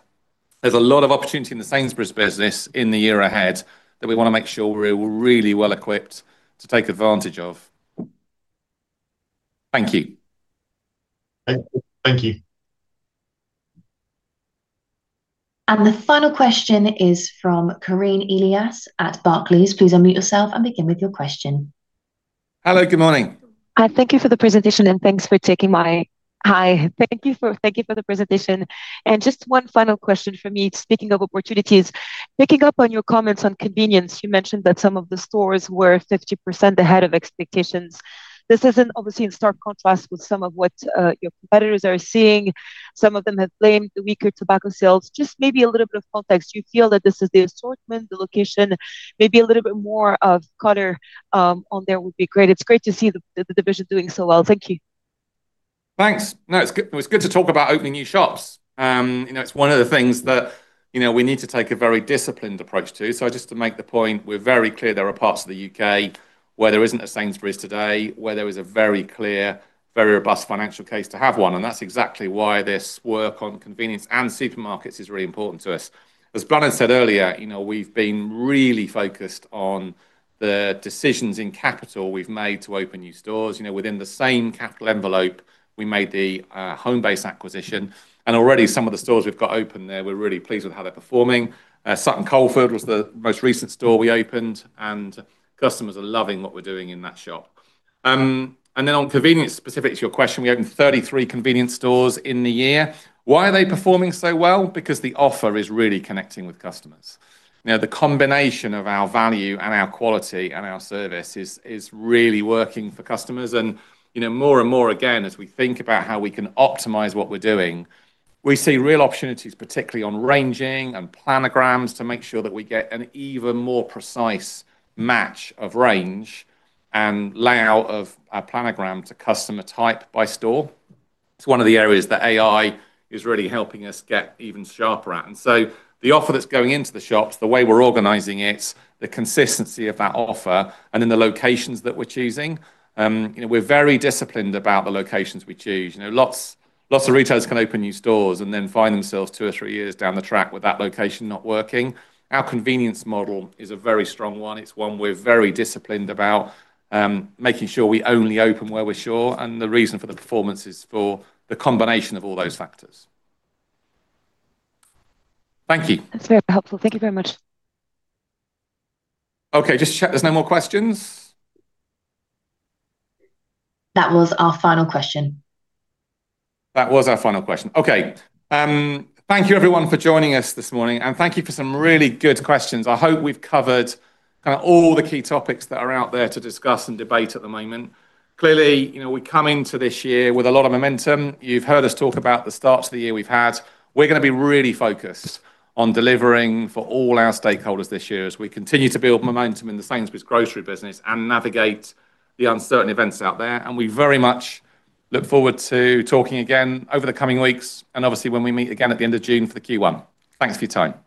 there's a lot of opportunity in the Sainsbury's business in the year ahead that we want to make sure we're really well-equipped to take advantage of. Thank you. Thank you. The final question is from Karine Elias at Barclays. Please unmute yourself and begin with your question. Hello, good morning. Thank you for the presentation. Just one final question from me, speaking of opportunities. Picking up on your comments on convenience, you mentioned that some of the stores were 50% ahead of expectations. This is obviously in stark contrast with some of what your competitors are seeing. Some of them have blamed the weaker tobacco sales. Just maybe a little bit of context. Do you feel that this is the assortment, the location? Maybe a little bit of color on there would be great. It's great to see the division doing so well. Thank you. Thanks. No, it's good to talk about opening new shops. It's one of the things that we need to take a very disciplined approach to. Just to make the point, we're very clear there are parts of the U.K. where there isn't a Sainsbury's today, where there is a very clear, very robust financial case to have one. That's exactly why this work on convenience and supermarkets is really important to us. As Bláthnaid said earlier, we've been really focused on the decisions in capital we've made to open new stores. Within the same capital envelope, we made the Homebase acquisition, and already some of the stores we've got open there, we're really pleased with how they're performing. Sutton Coldfield was the most recent store we opened, and customers are loving what we're doing in that shop. On convenience specific to your question, we opened 33 convenience stores in the year. Why are they performing so well? Because the offer is really connecting with customers. Now, the combination of our value and our quality and our service is really working for customers. More and more again, as we think about how we can optimize what we're doing, we see real opportunities, particularly on ranging and planograms, to make sure that we get an even more precise match of range and layout of our planogram to customer type by store. It's one of the areas that AI is really helping us get even sharper at. The offer that's going into the shops, the way we're organizing it, the consistency of that offer, and then the locations that we're choosing. We're very disciplined about the locations we choose. Lots of retailers can open new stores and then find themselves two or three years down the track with that location not working. Our convenience model is a very strong one. It's one we're very disciplined about, making sure we only open where we're sure, and the reason for the performance is for the combination of all those factors. Thank you. That's very helpful. Thank you very much. Okay. Just check there's no more questions? That was our final question. That was our final question. Okay. Thank you everyone for joining us this morning, and thank you for some really good questions. I hope we've covered kind of all the key topics that are out there to discuss and debate at the moment. Clearly, we come into this year with a lot of momentum. You've heard us talk about the start to the year we've had. We're going to be really focused on delivering for all our stakeholders this year as we continue to build momentum in the Sainsbury's grocery business and navigate the uncertain events out there. We very much look forward to talking again over the coming weeks and obviously when we meet again at the end of June for the Q1. Thanks for your time.